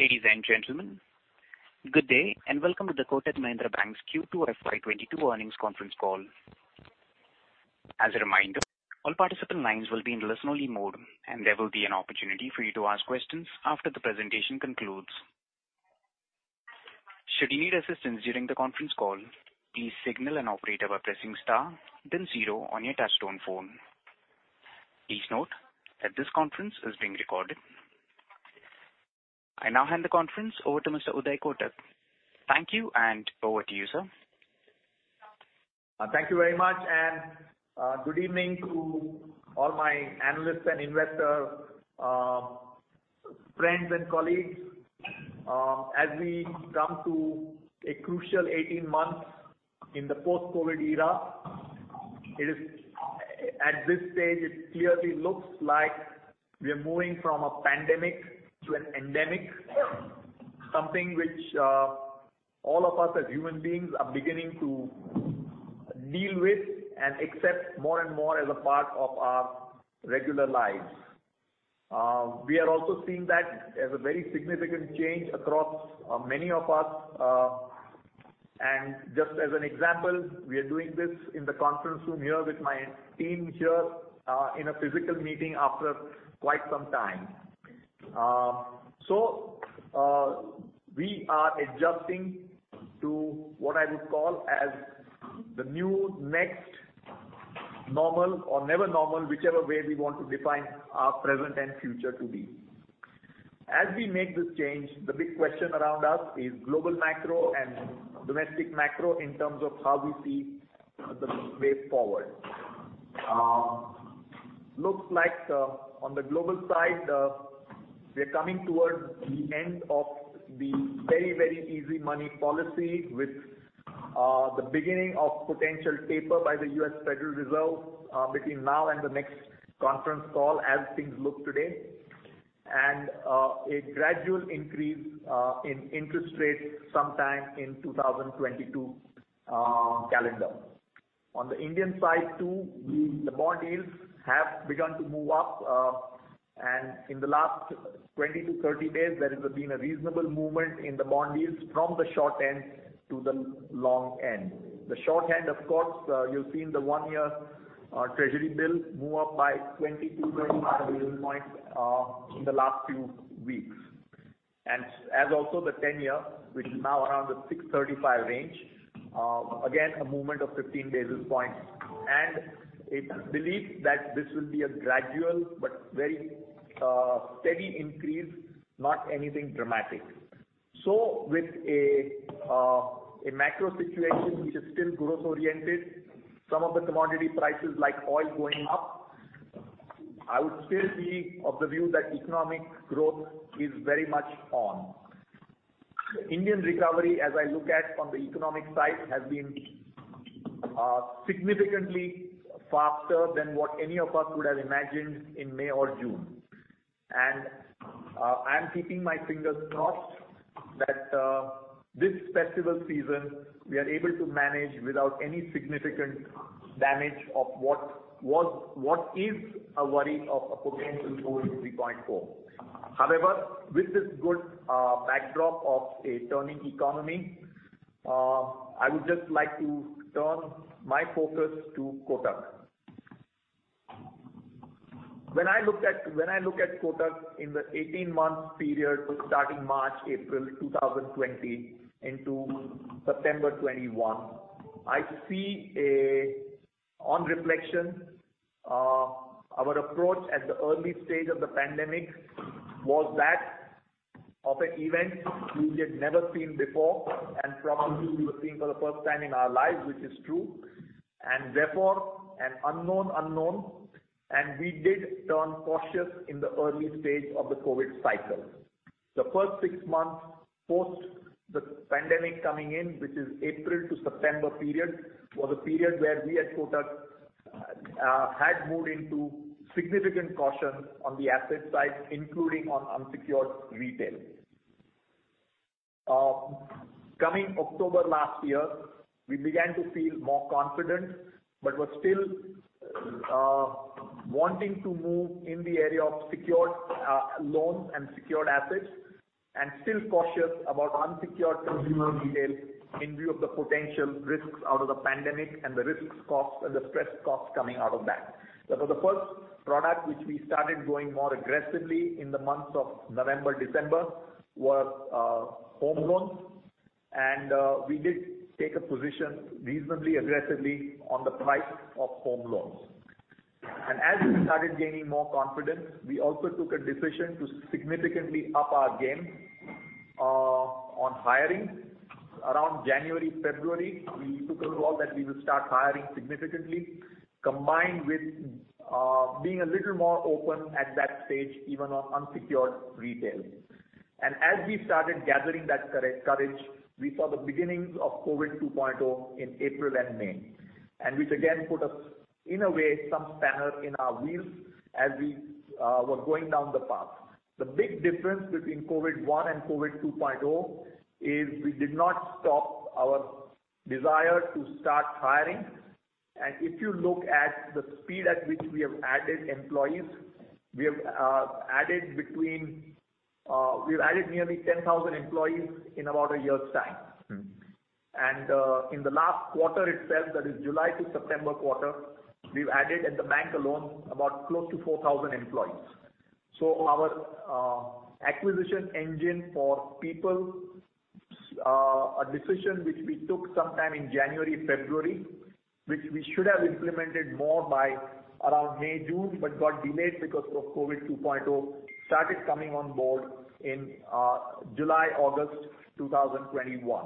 Ladies and gentlemen, good day, and Welcome to the Kotak Mahindra Bank's Q2 FY 2022 Earnings Conference Call. As a reminder, all participant lines will be in listen-only mode, and there will be an opportunity for you to ask questions after the presentation concludes. Should you need assistance during the conference call, please signal an operator by pressing star then zero on your touchtone phone. Please note that this conference is being recorded. I now hand the conference over to Mr. Uday Kotak. Thank you, and over to you, sir. Thank you very much, and, good evening to all my analysts and investors, friends and colleagues. As we come to a crucial 18 months in the post-COVID era, it is at this stage it clearly looks like we are moving from a pandemic to an endemic, something which, all of us as human beings are beginning to deal with and accept more and more as a part of our regular lives. We are also seeing that as a very significant change across, many of us. Just as an example, we are doing this in the conference room here with my team here, in a physical meeting after quite some time. We are adjusting to what I would call as the new next normal or never normal, whichever way we want to define our present and future to be. As we make this change, the big question around us is global macro and domestic macro in terms of how we see the way forward. Looks like, on the global side, we are coming towards the end of the very, very easy money policy with, the beginning of potential taper by the Federal Reserve System, between now and the next conference call as things look today, and, a gradual increase, in interest rates sometime in 2022, calendar. On the Indian side too, the bond yields have begun to move up, and in the last 20-30 days, there has been a reasonable movement in the bond yields from the short end to the long end. The short end, of course, you've seen the one-year treasury bill move up by 20-25 basis points in the last few weeks. As also the 10-year, which is now around the 6.35% range, again, a movement of 15 basis points. It's believed that this will be a gradual but very steady increase, not anything dramatic. With a macro situation which is still growth oriented, some of the commodity prices like oil going up, I would still be of the view that economic growth is very much on. Indian recovery, as I look at on the economic side, has been significantly faster than what any of us would have imagined in May or June. I am keeping my fingers crossed that this festival season we are able to manage without any significant damage of what is a worry of a potential COVID 3.0. However, with this good backdrop of a turning economy, I would just like to turn my focus to Kotak. When I look at Kotak in the 18-month period starting March-April 2020 into September 2021, I see a, on reflection, our approach at the early stage of the pandemic was that of an event we had never seen before and probably we were seeing for the first time in our lives, which is true. And therefore an unknown unknown, and we did turn cautious in the early stage of the COVID cycle. The first six months post the pandemic coming in, which is April to September period, was a period where we at Kotak had moved into significant caution on the asset side, including on unsecured retail. Coming October last year, we began to feel more confident, but were still wanting to move in the area of secured loans and secured assets, and still cautious about unsecured consumer retail in view of the potential risks out of the pandemic and the risks cost and the stress costs coming out of that. That was the first product which we started growing more aggressively in the months of November, December, was home loans. We did take a position reasonably aggressively on the price of home loans. As we started gaining more confidence, we also took a decision to significantly up our game on hiring. Around January, February, we took a call that we will start hiring significantly, combined with being a little more open at that stage, even on unsecured retail. As we started gathering that courage, we saw the beginnings of COVID 2.0 in April and May, which again put us, in a way, some spanner in the works as we were going down the path. The big difference between COVID 1.0 And COVID 2.0 is we did not stop our desire to start hiring. If you look at the speed at which we have added employees, we have added nearly 10,000 employees in about a year's time. Mm-hmm. In the last quarter itself, that is July to September quarter, we've added at the bank alone about close to 4,000 employees. Our acquisition engine for people, a decision which we took sometime in January, February, which we should have implemented more by around May, June, but got delayed because of COVID 2.0, started coming on board in July, August 2021.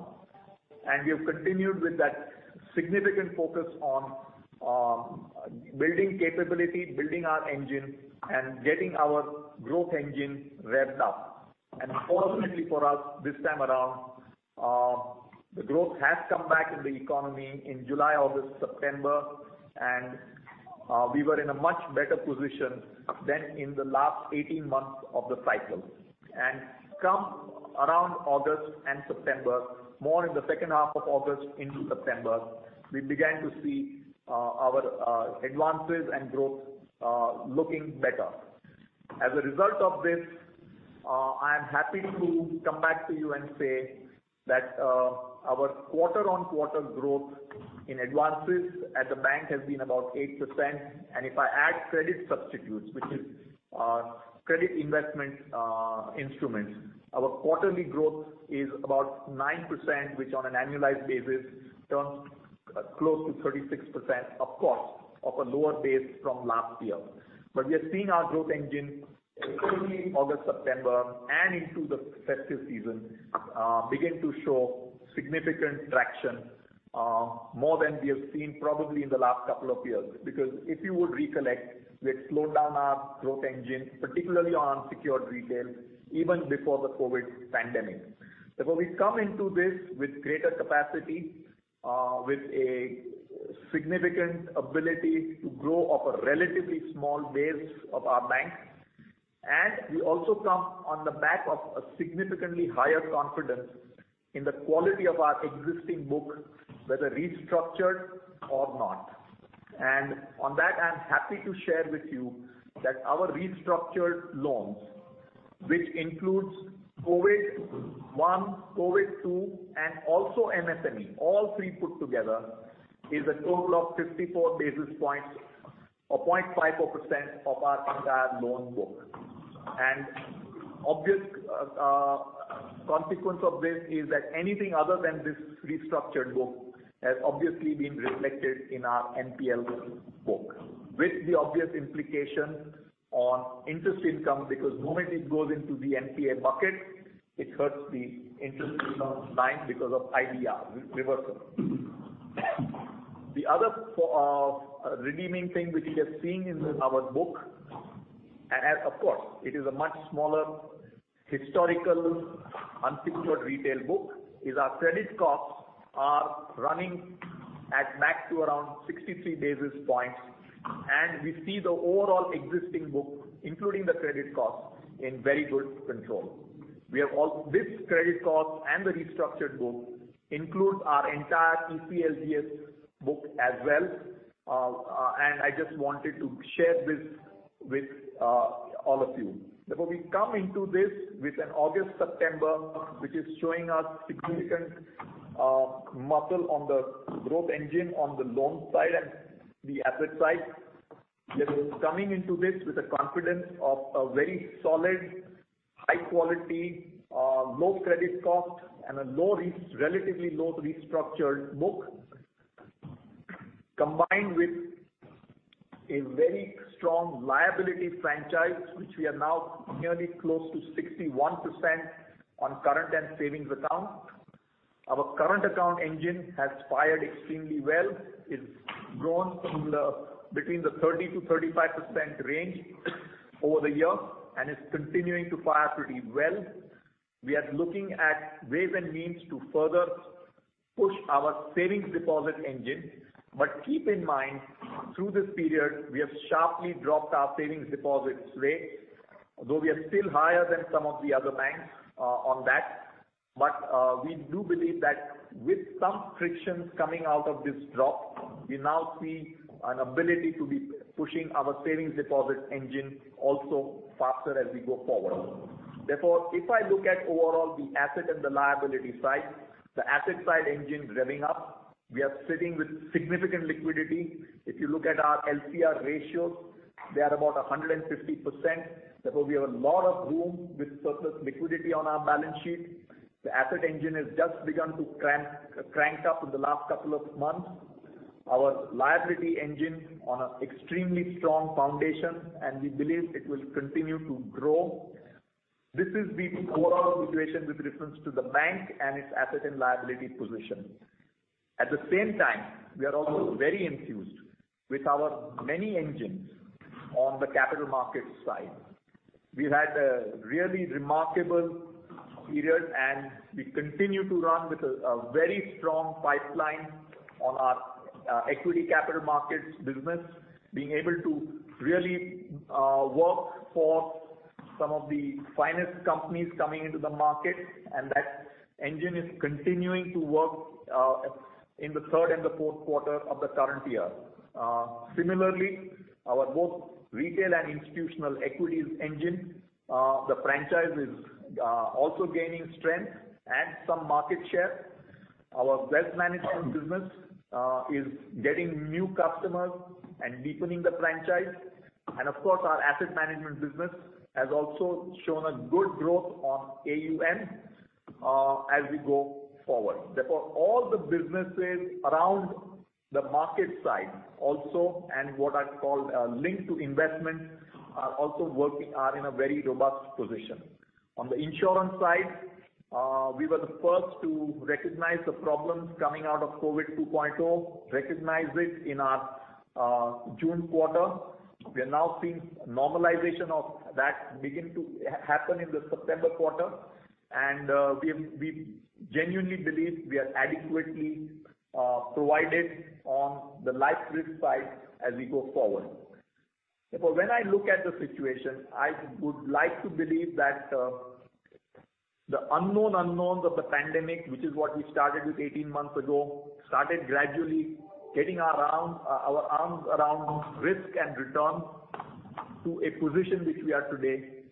We have continued with that significant focus on building capability, building our engine, and getting our growth engine revved up. Fortunately for us this time around, the growth has come back in the economy in July, August, September, and we were in a much better position than in the last 18 months of the cycle. We came around August and September, more in the second half of August into September, we began to see our advances and growth looking better. As a result of this, I am happy to come back to you and say that our quarter-on-quarter growth in advances at the bank has been about 8%. If I add credit substitutes, which is credit investment instruments, our quarterly growth is about 9%, which on an annualized basis turns close to 36% of course, of a lower base from last year. We are seeing our growth engine, particularly in August, September, and into the festive season, begin to show significant traction, more than we have seen probably in the last couple of years. Because if you would recollect, we had slowed down our growth engine, particularly on secured retail, even before the COVID pandemic. Therefore, we come into this with greater capacity, with a significant ability to grow off a relatively small base of our bank. We also come on the back of a significantly higher confidence in the quality of our existing book, whether restructured or not. On that, I'm happy to share with you that our restructured loans, which includes COVID 1.0, COVID 2.0, and also MSME, all three put together, is a total of 54 basis points or 0.54% of our entire loan book. Obvious consequence of this is that anything other than this restructured book has obviously been reflected in our NPL book, with the obvious implication on interest income, because the moment it goes into the NPA bucket, it hurts the interest income line because of IBR reversal. The other redeeming thing which we are seeing in our book, and of course it is a much smaller historical unsecured retail book, is our credit costs are running at max to around 63 basis points, and we see the overall existing book, including the credit costs, in very good control. We have all this credit cost and the restructured book includes our entire EPSDS book as well, and I just wanted to share this with all of you. Therefore, we come into this with an August, September, which is showing us significant muscle on the growth engine on the loan side and the asset side. Therefore, coming into this with the confidence of a very solid, high quality, low credit cost and a low risk, relatively low restructured book, combined with a very strong liability franchise, which we are now nearly close to 61% on current and savings account. Our current account engine has fired extremely well. It's grown from the, between the 30%-35% range over the year and is continuing to fire pretty well. We are looking at ways and means to further push our savings deposit engine. But keep in mind, through this period, we have sharply dropped our savings deposits rate, although we are still higher than some of the other banks on that. We do believe that with some frictions coming out of this drop, we now see an ability to be pushing our savings deposit engine also faster as we go forward. Therefore, if I look at overall the asset and the liability side, the asset side engine is revving up. We are sitting with significant liquidity. If you look at our LCR ratios, they are about 150%. Therefore, we have a lot of room with surplus liquidity on our balance sheet. The asset engine has just begun to crank up in the last couple of months. Our liability engine on an extremely strong foundation, and we believe it will continue to grow. This is the overall situation with reference to the bank and its asset and liability position. At the same time, we are also very enthused with our many engines on the capital markets side. We've had a really remarkable period, and we continue to run with a very strong pipeline on our equity capital markets business, being able to really work for some of the finest companies coming into the market, and that engine is continuing to work in the third and the fourth quarter of the current year. Similarly, our both retail and institutional equities engine, the franchise is also gaining strength and some market share. Our wealth management business is getting new customers and deepening the franchise. Of course, our asset management business has also shown a good growth on AUM as we go forward. Therefore, all the businesses around the market side also, and what are called linked to investments are also working are in a very robust position. On the insurance side, we were the first to recognize the problems coming out of COVID 2.0, recognize it in our June quarter. We are now seeing normalization of that begin to happen in the September quarter. We genuinely believe we are adequately provided on the life risk side as we go forward. Therefore, when I look at the situation, I would like to believe that the unknown unknowns of the pandemic, which is what we started with 18 months ago, started gradually getting our arms around risk and return to a position which we are today.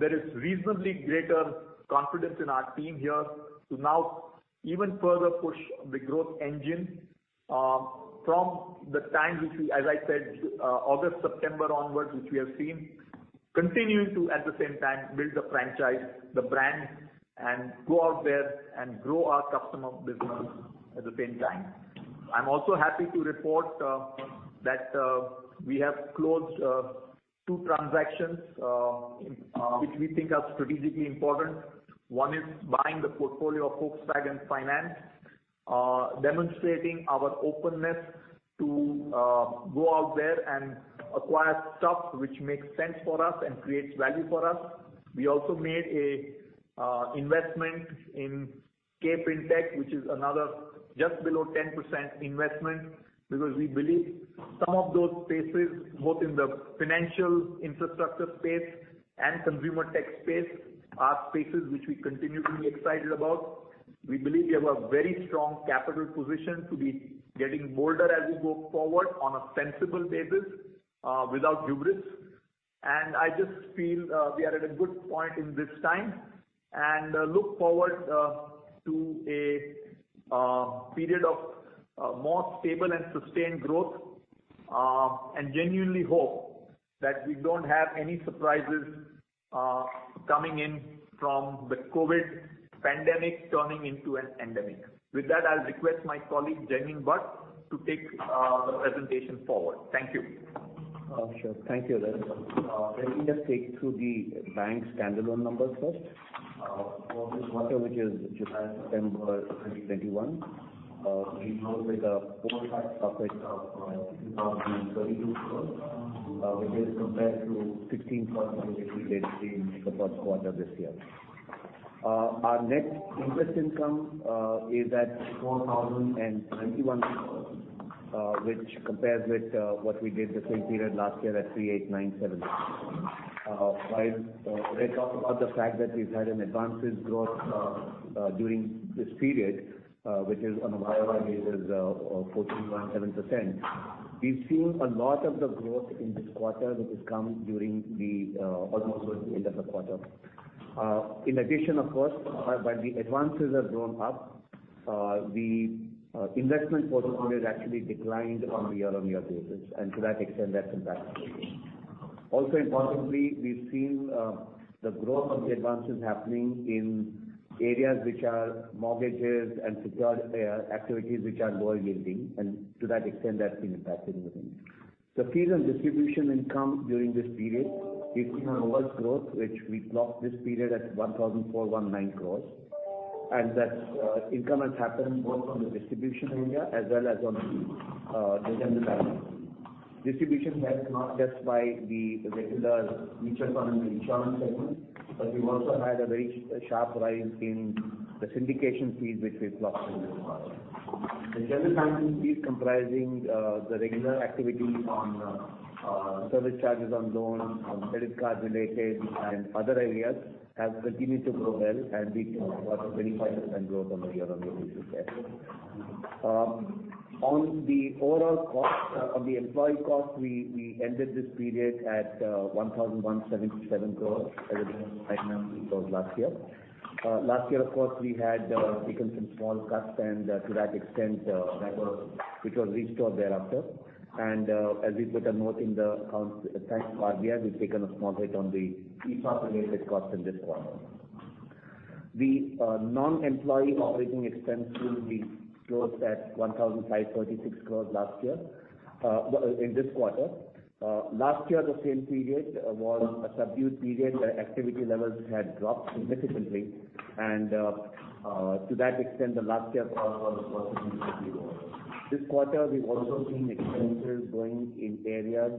There is reasonably greater confidence in our team here to now even further push the growth engine from the time, as I said, August, September onwards, which we have seen continuing to, at the same time, build the franchise, the brand, and go out there and grow our customer business at the same time. I'm also happy to report that we have closed two transactions which we think are strategically important. One is buying the portfolio of Volkswagen Finance, demonstrating our openness to go out there and acquire stuff which makes sense for us and creates value for us. We also made an investment in KFin Technologies, which is another just below 10% investment because we believe some of those spaces, both in the financial infrastructure space and consumer tech space, are spaces which we continue to be excited about. We believe we have a very strong capital position to be getting bolder as we go forward on a sensible basis, without hubris. I just feel we are at a good point in this time and look forward to a period of more stable and sustained growth, and genuinely hope that we don't have any surprises coming in from the COVID pandemic turning into an endemic. With that, I'll request my colleague, Jaimin Bhatt, to take the presentation forward. Thank you. Sure. Thank you, Uday Kotak. Let me just take you through the bank's standalone numbers first. For this quarter, which is July-September 2021, we closed with a core tax profit of INR 2,032 crore, which is compared to INR 1,633 crore in the first quarter this year. Our net interest income is at 4,021 crore, which compares with what we did the same period last year at 3,897 crore. While we talk about the fact that we've had an advances growth during this period, which is on a YoY basis of 14.7%, we've seen a lot of the growth in this quarter, which has come during almost towards the end of the quarter. In addition, of course, while the advances have grown up, the investment portfolio has actually declined on year-on-year basis. To that extent, that's impacted. Also importantly, we've seen the growth of the advances happening in areas which are mortgages and secured activities which are lower yielding. To that extent, that's been impacting the NIM. The fees and distribution income during this period, we've seen a robust growth, which we posted this period at 1,419 crores. That income has happened both on the distribution area as well as on the general banking. Distribution helped not just by the regular fees in the insurance segment, but we've also had a very sharp rise in the syndication fee which we've posted in this quarter. The general banking fees comprising the regular activity on service charges on loans, on credit card related and other areas have continued to grow well and we saw a 25% growth on a year-on-year basis there. On the overall cost of the employee cost, we ended this period at 1,177 crores as against INR 999 crores last year. Last year, of course, we had taken some small cuts and to that extent, which was restored thereafter. As we put a note in the accounts tax part, we've taken a small hit on the PF related costs in this quarter. Non-employee operating expenses, we closed at 1,536 crores last year, in this quarter. Last year, the same period was a subdued period where activity levels had dropped significantly. To that extent, the last year costs were INR 4,650 crores. This quarter we've also seen expenses growing in areas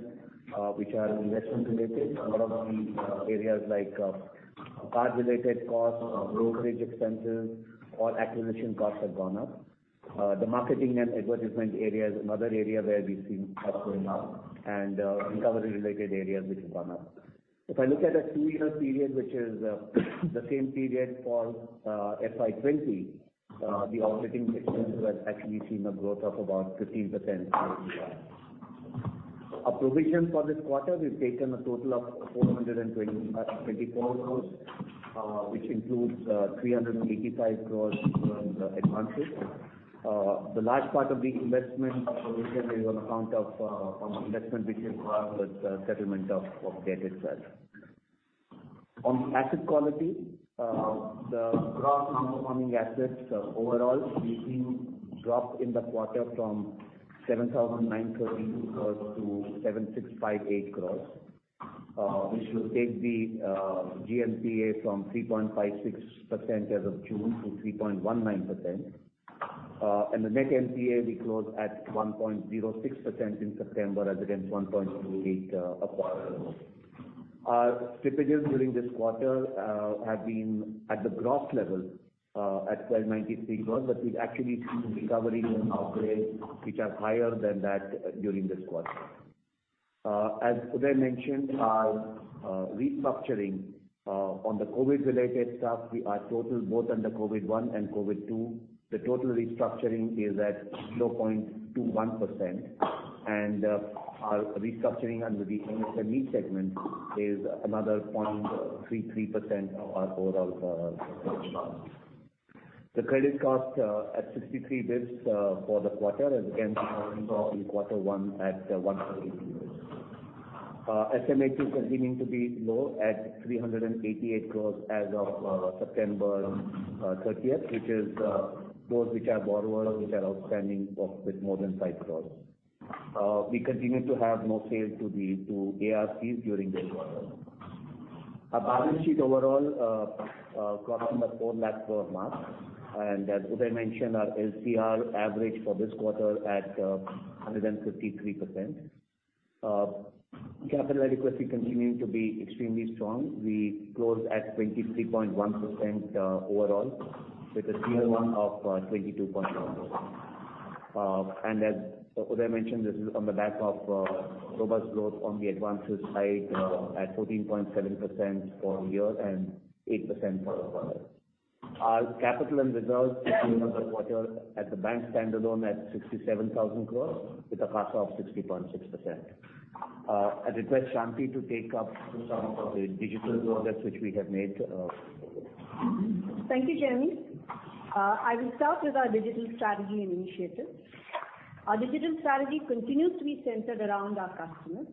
which are investment related. A lot of the areas like prepaid card-related costs, brokerage expenses or acquisition costs have gone up. The marketing and advertisement area is another area where we've seen costs going up and recovery related areas which have gone up. If I look at a two-year period, which is the same period for FY 2020, the operating expenses has actually seen a growth of about 15% year-over-year. Our provision for this quarter, we've taken a total of 420.24 crores, which includes 385 crores in advances. The large part of the investment provision is on account of investment which we acquired with settlement of debt itself. On asset quality, the gross non-performing assets overall, we've seen drop in the quarter from 7,932 crore to 7,658 crore, which will take the GNPA from 3.56% as of June to 3.19%. The net NPA we closed at 1.06% in September as against 1.28% a quarter ago. Our slippages during this quarter have been at the gross level at 1,293 crore, but we've actually seen recovery and upgrades which are higher than that during this quarter. As Uday mentioned, our restructuring on the COVID-related stuff, we are total both under COVID 1.0 And COVID 2.0. The total restructuring is at 0.21%. Our restructuring under the MSME segment is another 0.33% of our overall advances. The credit cost at 63 basis points for the quarter and against 49 basis points in quarter one at 180 basis points. SMA-2 continuing to be low at 388 crore as of September 30, which is those borrowers outstanding with more than 5 crore. We continue to have no sales to the ARCs during this quarter. Our balance sheet overall grown by 4 lakh per month. As Uday mentioned, our LCR average for this quarter at 153%. Capital adequacy continuing to be extremely strong. We closed at 23.1% overall with a Tier 1 of 22.1%. As Uday mentioned, this is on the back of robust growth on the advances side at 14.7% for year and 8% quarter-over-quarter. Our capital and reserves at the end of the quarter at the bank standalone at 67,000 crores with a CASA of 60.6%. I request Shanti to take up some of the digital progress which we have made. Thank you, Jaimin. I will start with our digital strategy and initiatives. Our digital strategy continues to be centered around our customers.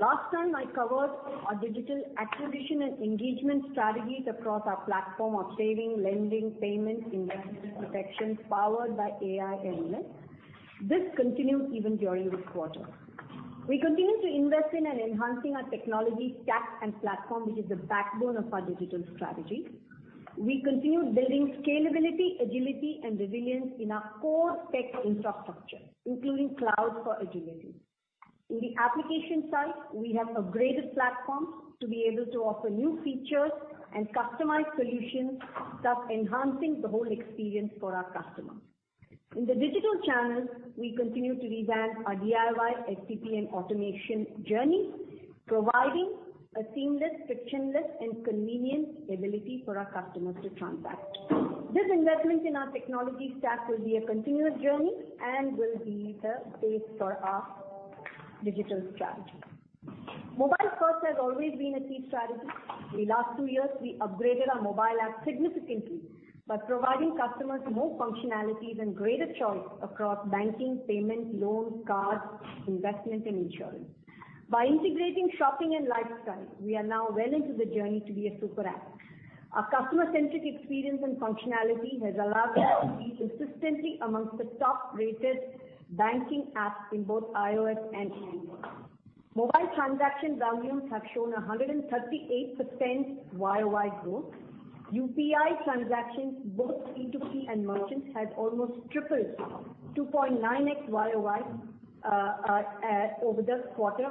Last time I covered our digital acquisition and engagement strategies across our platform of saving, lending, payment, investment protection powered by AI and ML. This continues even during this quarter. We continue to invest in and enhancing our technology stack and platform, which is the backbone of our digital strategy. We continue building scalability, agility and resilience in our core tech infrastructure, including cloud for agility. In the application side, we have upgraded platforms to be able to offer new features and customized solutions, thus enhancing the whole experience for our customers. In the digital channels, we continue to revamp our DIY, STP and automation journey, providing a seamless, frictionless and convenient ability for our customers to transact. This investment in our technology stack will be a continuous journey and will be the base for our digital strategy. Mobile first has always been a key strategy. The last two years we upgraded our mobile app significantly by providing customers more functionalities and greater choice across banking, payments, loans, cards, investment and insurance. By integrating shopping and lifestyle, we are now well into the journey to be a super app. Our customer-centric experience and functionality has allowed us to be consistently amongst the top-rated banking apps in both iOS and Android. Mobile transaction volumes have shown 138% YoY growth. UPI transactions, both C2C and merchants, has almost tripled to 9x YoY over this quarter.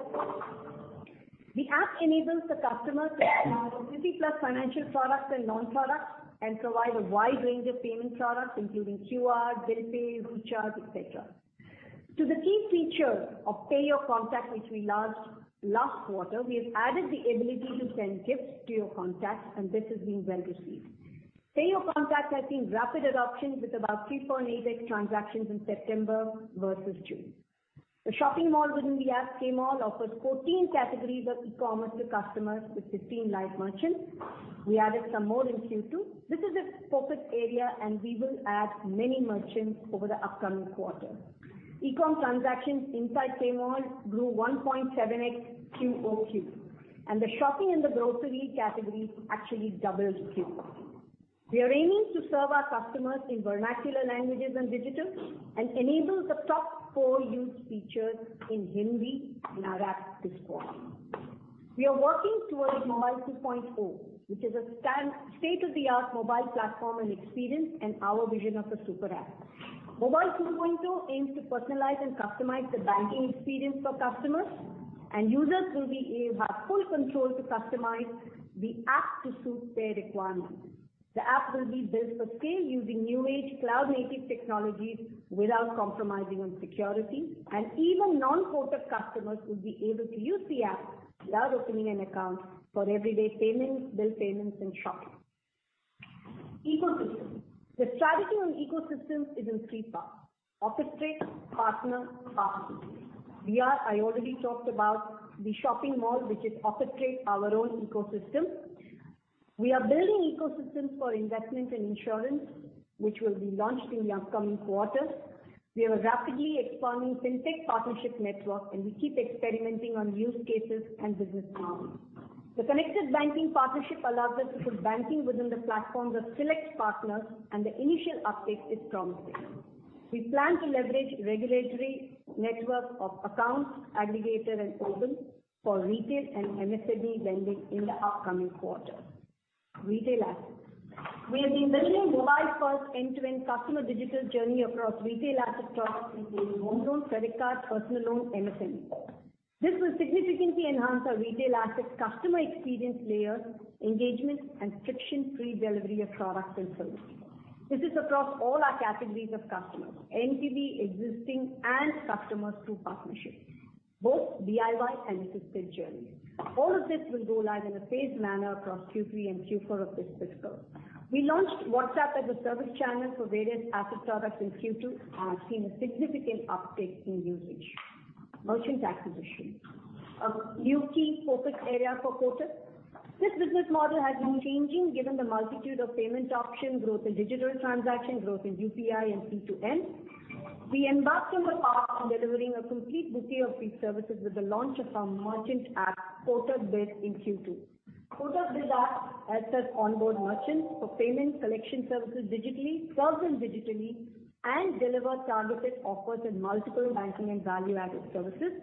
The app enables the customer to borrow 50+ financial products and loan products and provide a wide range of payment products including QR, BillPay, Recharge, etc. To the key feature of pay your contact which we launched last quarter, we have added the ability to send gifts to your contacts and this has been well received. Pay your contact has seen rapid adoption with about 3.8x transactions in September vs June. The shopping mall within the app, KayMall, offers 14 categories of e-commerce to customers with 15 live merchants. We added some more in Q2. This is a focused area and we will add many merchants over the upcoming quarter. E-com transactions inside KayMall grew 1.7x QOQ. The shopping in the grocery category actually doubled QOQ. We are aiming to serve our customers in vernacular languages and digital and enable the top four used features in Hindi in our app this quarter. We are working towards Mobile 2.0, which is a state-of-the-art mobile platform and experience and our vision of a super app. Mobile 2.0 aims to personalize and customize the banking experience for customers. Users will be able to have full control to customize the app to suit their requirements. The app will be built for scale using new age cloud-native technologies without compromising on security. Even non-Kotak customers will be able to use the app without opening an account for everyday payments, bill payments and shopping ecosystem. The strategy on ecosystems is in three parts, operate, partner, partnerships. I already talked about the KayMall, which is operate our own ecosystem. We are building ecosystems for investment and insurance, which will be launched in the upcoming quarter. We have a rapidly expanding fintech partnership network, and we keep experimenting on use cases and business models. The connected banking partnership allows us to put banking within the platforms of select partners, and the initial uptake is promising. We plan to leverage regulatory network of account aggregator and open for retail and MSME lending in the upcoming quarter. Retail assets. We have been building mobile-first end-to-end customer digital journey across retail asset products, including home loans, credit cards, personal loans, MSME. This will significantly enhance our retail assets customer experience layer, engagement and friction-free delivery of products and services. This is across all our categories of customers, NTB existing and customers through partnerships, both DIY and assisted journeys. All of this will go live in a phased manner across Q3 and Q4 of this fiscal. We launched WhatsApp as a service channel for various asset products in Q2 and have seen a significant uptick in usage. Merchants acquisition. A new key focus area for Kotak. This business model has been changing given the multitude of payment options, growth in digital transactions, growth in UPI and C2M. We embarked on the path of delivering a complete bouquet of free services with the launch of our merchant app, Kotak.biz in Q2. Kotak.biz app helps us onboard merchants for payment collection services digitally, serves them digitally and delivers targeted offers and multiple banking and value-added services.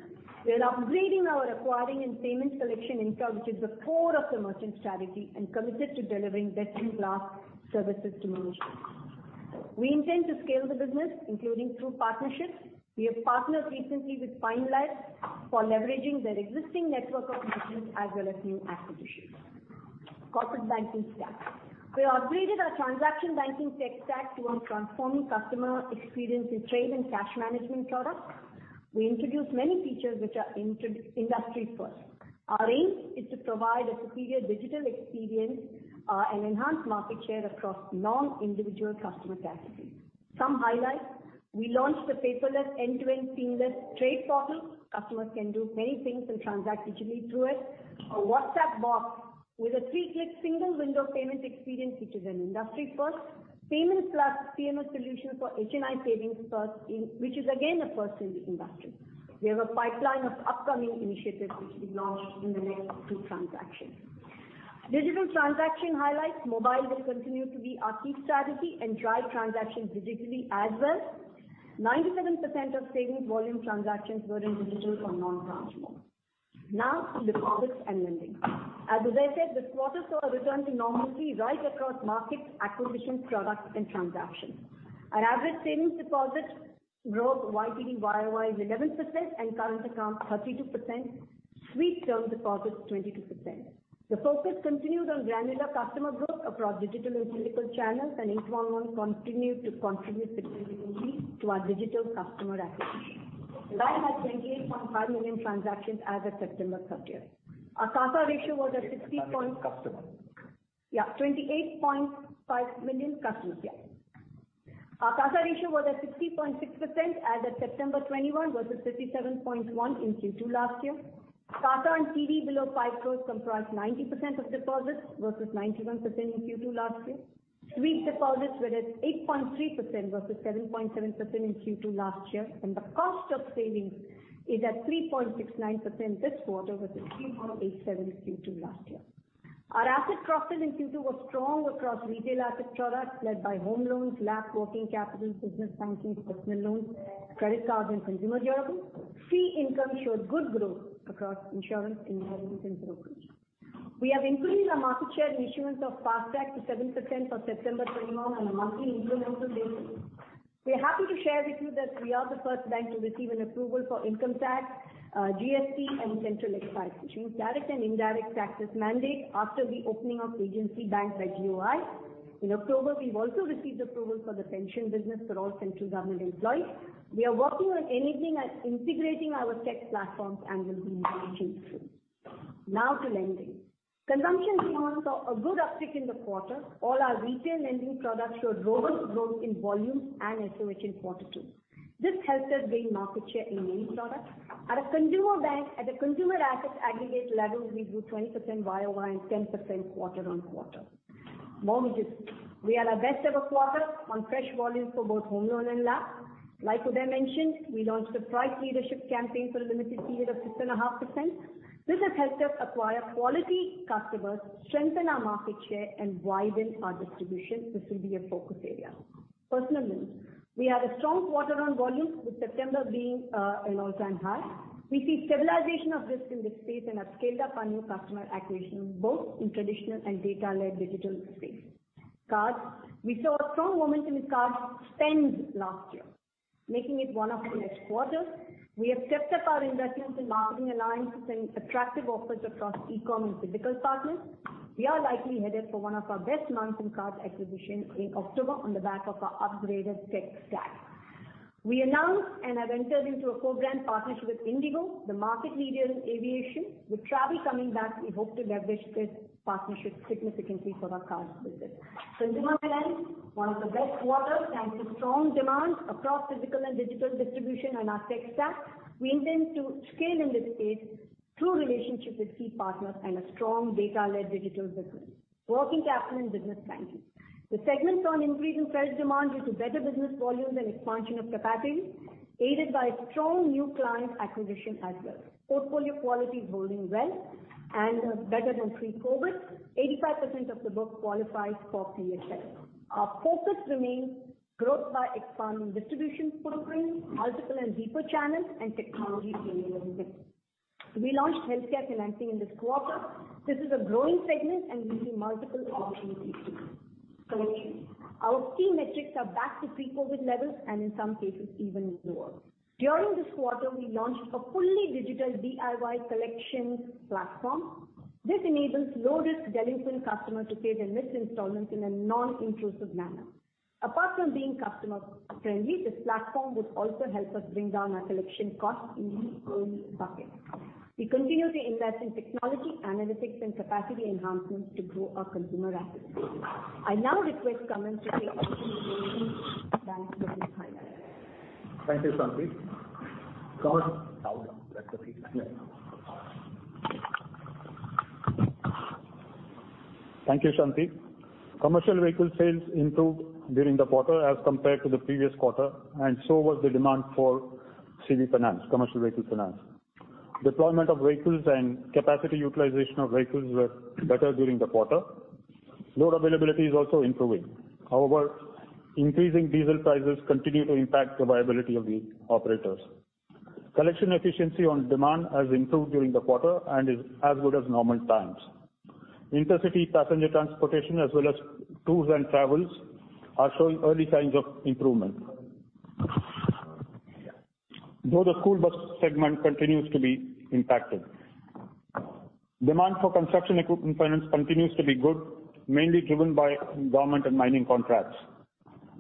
We are upgrading our acquiring and payment collection engine, which is the core of the merchant strategy and committed to delivering best-in-class services to merchants. We intend to scale the business, including through partnerships. We have partnered recently with Pine Labs for leveraging their existing network of merchants as well as new acquisitions. Corporate Banking stack. We upgraded our transaction banking tech stack towards transforming customer experience in trade and cash management products. We introduced many features which are industry first. Our aim is to provide a superior digital experience and enhance market share across non-individual customer categories. Some highlights. We launched a paperless end-to-end seamless trade portal. Customers can do many things and transact digitally through it. A WhatsApp bot with a three-click single window payment experience, which is an industry first. Payments plus PMS solution for HNI savings first in, which is again a first in the industry. We have a pipeline of upcoming initiatives which will be launched in the next two transactions. Digital transaction highlights. Mobile will continue to be our key strategy and drive transactions digitally as well. 97% of savings volume transactions were in digital or non-branch mode. Now to deposits and lending. As Uday said, this quarter saw a return to normalcy right across markets, acquisitions, products and transactions. Our average savings deposits growth YTD YoY is 11% and current account 32%. Sweep term deposits, 22%. The focus continues on granular customer growth across digital and physical channels, and 811 continued to contribute significantly to our digital customer acquisition. The bank had 28.5 million transactions as of September 30. Our CASA ratio was at 60 point- Customers. Yeah. 28.5 million customers. Yeah. Our CASA ratio was at 60.6% as of September 2021 vs 57.1% in Q2 last year. CASA and CD below 5 crores comprised 90% of deposits vs 91% in Q2 last year. Sweep deposits were at 8.3% vs 7.7% in Q2 last year, and the cost of savings is at 3.69% this quarter vs 3.87% in Q2 last year. Our asset growth in Q2 was strong across retail asset products led by home loans, LAP, working capital, business banking, personal loans, credit cards and consumer durables. Fee income showed good growth across insurance, investments and brokerage. We have increased our market share in issuance of FASTag to 7% for September 2021 on a monthly incremental basis. We are happy to share with you that we are the first bank to receive an approval for income tax, GST and central excise, which means direct and indirect taxes mandate after the opening of agency banks by GOI. In October, we've also received approval for the pension business for all central government employees. We are working on integrating our tech platforms and will be making changes soon. Now to lending. Consumption loans saw a good uptick in the quarter. All our retail lending products showed robust growth in volume and SOH in quarter two. This helped us gain market share in many products. At a consumer asset aggregate level, we grew 20% YoY and 10% quarter on quarter. Mortgages. We are at our best ever quarter on fresh volumes for both home loan and LAP. Like Uday mentioned, we launched a price leadership campaign for a limited period of 6.5%. This has helped us acquire quality customers, strengthen our market share and widen our distribution. This will be a focus area. Personal loans. We had a strong quarter on volume, with September being an all-time high. We see stabilization of risk in this space and have scaled up our new customer acquisition, both in traditional and data-led digital space. Cards. We saw a strong momentum in card spend last year, making it one of our best quarters. We have stepped up our investments in marketing alliances and attractive offers across e-com and physical partners. We are likely headed for one of our best months in card acquisition in October on the back of our upgraded tech stack. We announced and have entered into a co-brand partnership with IndiGo, the market leader in aviation. With travel coming back, we hope to leverage this partnership significantly for our cards business. Consumer finance, one of the best quarters, thanks to strong demand across physical and digital distribution and our tech stack. We intend to scale in this space through relationships with key partners and a strong data-led digital business. Working capital and business banking. The segment saw an increase in sales demand due to better business volumes and expansion of capacity, aided by strong new client acquisition as well. Portfolio quality is holding well and better than pre-COVID. 85% of the book qualifies for CPS. Our focus remains growth by expanding distribution footprint, multiple and deeper channels, and technology enabling this. We launched healthcare financing in this quarter. This is a growing segment and we see multiple opportunities here. Collections. Our key metrics are back to pre-COVID levels, and in some cases even lower. During this quarter, we launched a fully digital DIY collections platform. This enables low-risk delinquent customers to pay their missed installments in a non-intrusive manner. Apart from being customer-friendly, this platform would also help us bring down our collection costs in the early bucket. We continue to invest in technology, analytics, and capacity enhancements to grow our consumer assets. I now request Kannan to take you through the bank business highlights. Thank you, Shanti. Kannan, over to you. Thank you, Shanti. Commercial vehicle sales improved during the quarter as compared to the previous quarter, and so was the demand for CV finance, commercial vehicle finance. Deployment of vehicles and capacity utilization of vehicles were better during the quarter. Load availability is also improving. However, increasing diesel prices continue to impact the viability of the operators. Collection efficiency and demand have improved during the quarter and is as good as normal times. Intercity passenger transportation as well as tours and travels are showing early signs of improvement, though the school bus segment continues to be impacted. Demand for construction equipment finance continues to be good, mainly driven by government and mining contracts.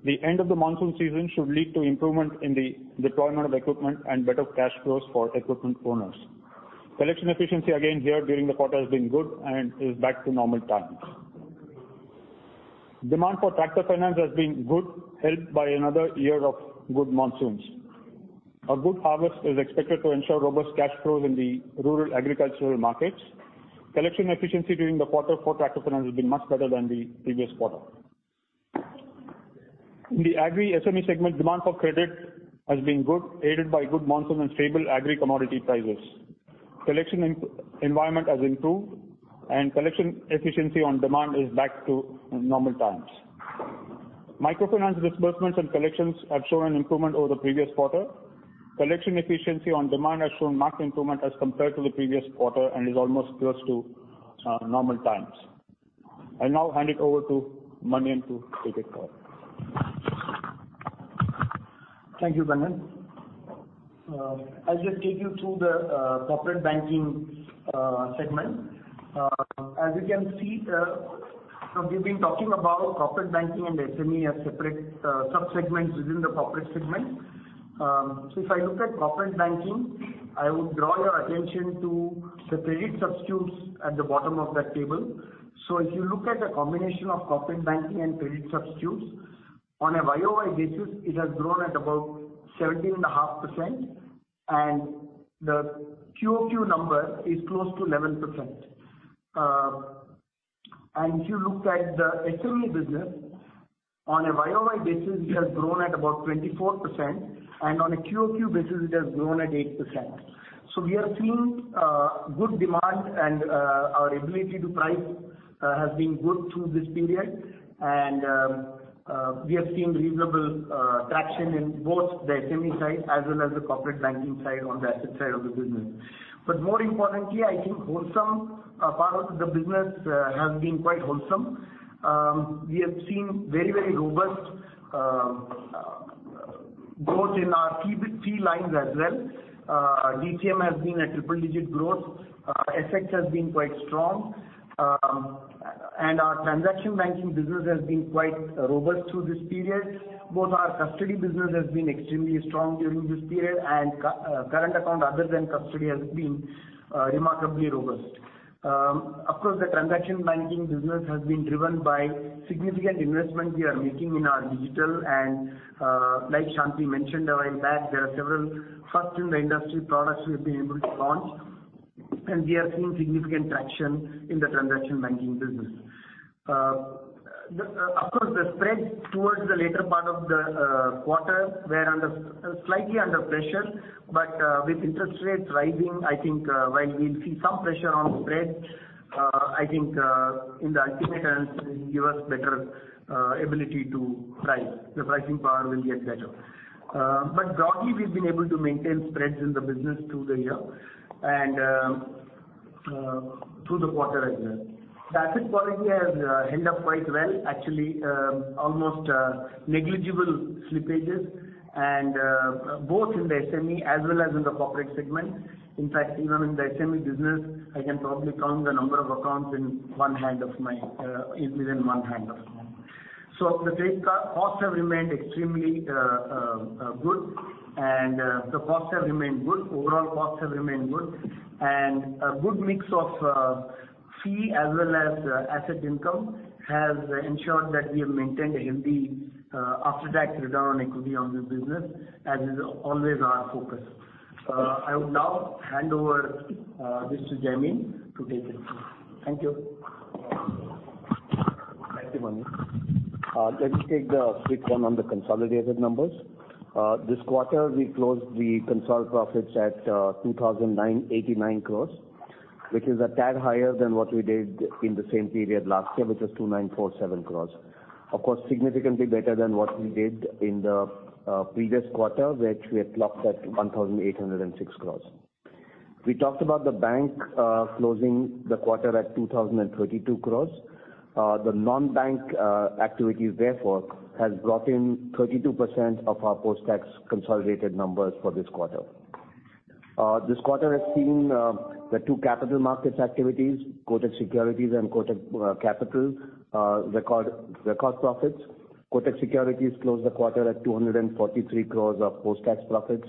The end of the monsoon season should lead to improvement in the deployment of equipment and better cash flows for equipment owners. Collection efficiency again here during the quarter has been good and is back to normal times. Demand for tractor finance has been good, helped by another year of good monsoons. A good harvest is expected to ensure robust cash flows in the rural agricultural markets. Collection efficiency during the quarter for tractor finance has been much better than the previous quarter. In the Agri SME segment, demand for credit has been good, aided by good monsoon and stable Agri commodity prices. Collection environment has improved and collection efficiency on demand is back to normal times. Microfinance disbursements and collections have shown an improvement over the previous quarter. Collection efficiency on demand has shown marked improvement as compared to the previous quarter and is almost close to normal times. I now hand it over to Manian to take it forward. Thank you, Kannan. I'll just take you through the Corporate Banking segment. As you can see, we've been talking about Corporate Banking and SME as separate sub-segments within the Corporate segment. If I look at Corporate Banking, I would draw your attention to the credit substitutes at the bottom of that table. If you look at the combination of Corporate Banking and credit substitutes, on a YoY basis, it has grown at about 17.5%, and the QOQ number is close to 11%. If you look at the SME business on a YoY basis, it has grown at about 24%, and on a QOQ basis it has grown at 8%. We are seeing good demand and our ability to price has been good through this period. We have seen reasonable traction in both the SME side as well as the Corporate Banking side on the asset side of the business. More importantly, I think wholesale part of the business has been quite wholesale. We have seen very robust growth in our fee lines as well. DCM has been a triple digit growth. FX has been quite strong. Our transaction banking business has been quite robust through this period. Both our custody business has been extremely strong during this period, and current account other than custody has been remarkably robust. Of course, the transaction banking business has been driven by significant investments we are making in our digital and, like Shanti mentioned a while back, there are several first-in-the-industry products we've been able to launch, and we are seeing significant traction in the transaction banking business. Of course, the spreads towards the later part of the quarter were slightly under pressure, but with interest rates rising, I think while we'll see some pressure on spreads, I think in the ultimate analysis will give us better ability to price. The pricing power will get better. Broadly we've been able to maintain spreads in the business through the year and, Through the quarter as well. The asset quality has held up quite well. Actually, almost negligible slippages and both in the SME as well as in the Corporate segment. In fact, even in the SME business, I can probably count the number of accounts in one hand. So the credit costs have remained extremely good and the costs have remained good. Overall costs have remained good. A good mix of fee as well as asset income has ensured that we have maintained a healthy after-tax return on equity on the business, as is always our focus. I will now hand over this to Jaimin to take it from here. Thank you. Thank you, Manian. Let me take the quick one on the consolidated numbers. This quarter we closed the consolidated profits at 2,989 crores, which is a tad higher than what we did in the same period last year, which was 2,947 crores. Of course, significantly better than what we did in the previous quarter, which we had clocked at 1,806 crores. We talked about the bank closing the quarter at 2,032 crores. The non-bank activities therefore has brought in 32% of our post-tax consolidated numbers for this quarter. This quarter has seen the two capital markets activities, Kotak Securities and Kotak Capital, record profits. Kotak Securities closed the quarter at 243 crores of post-tax profits,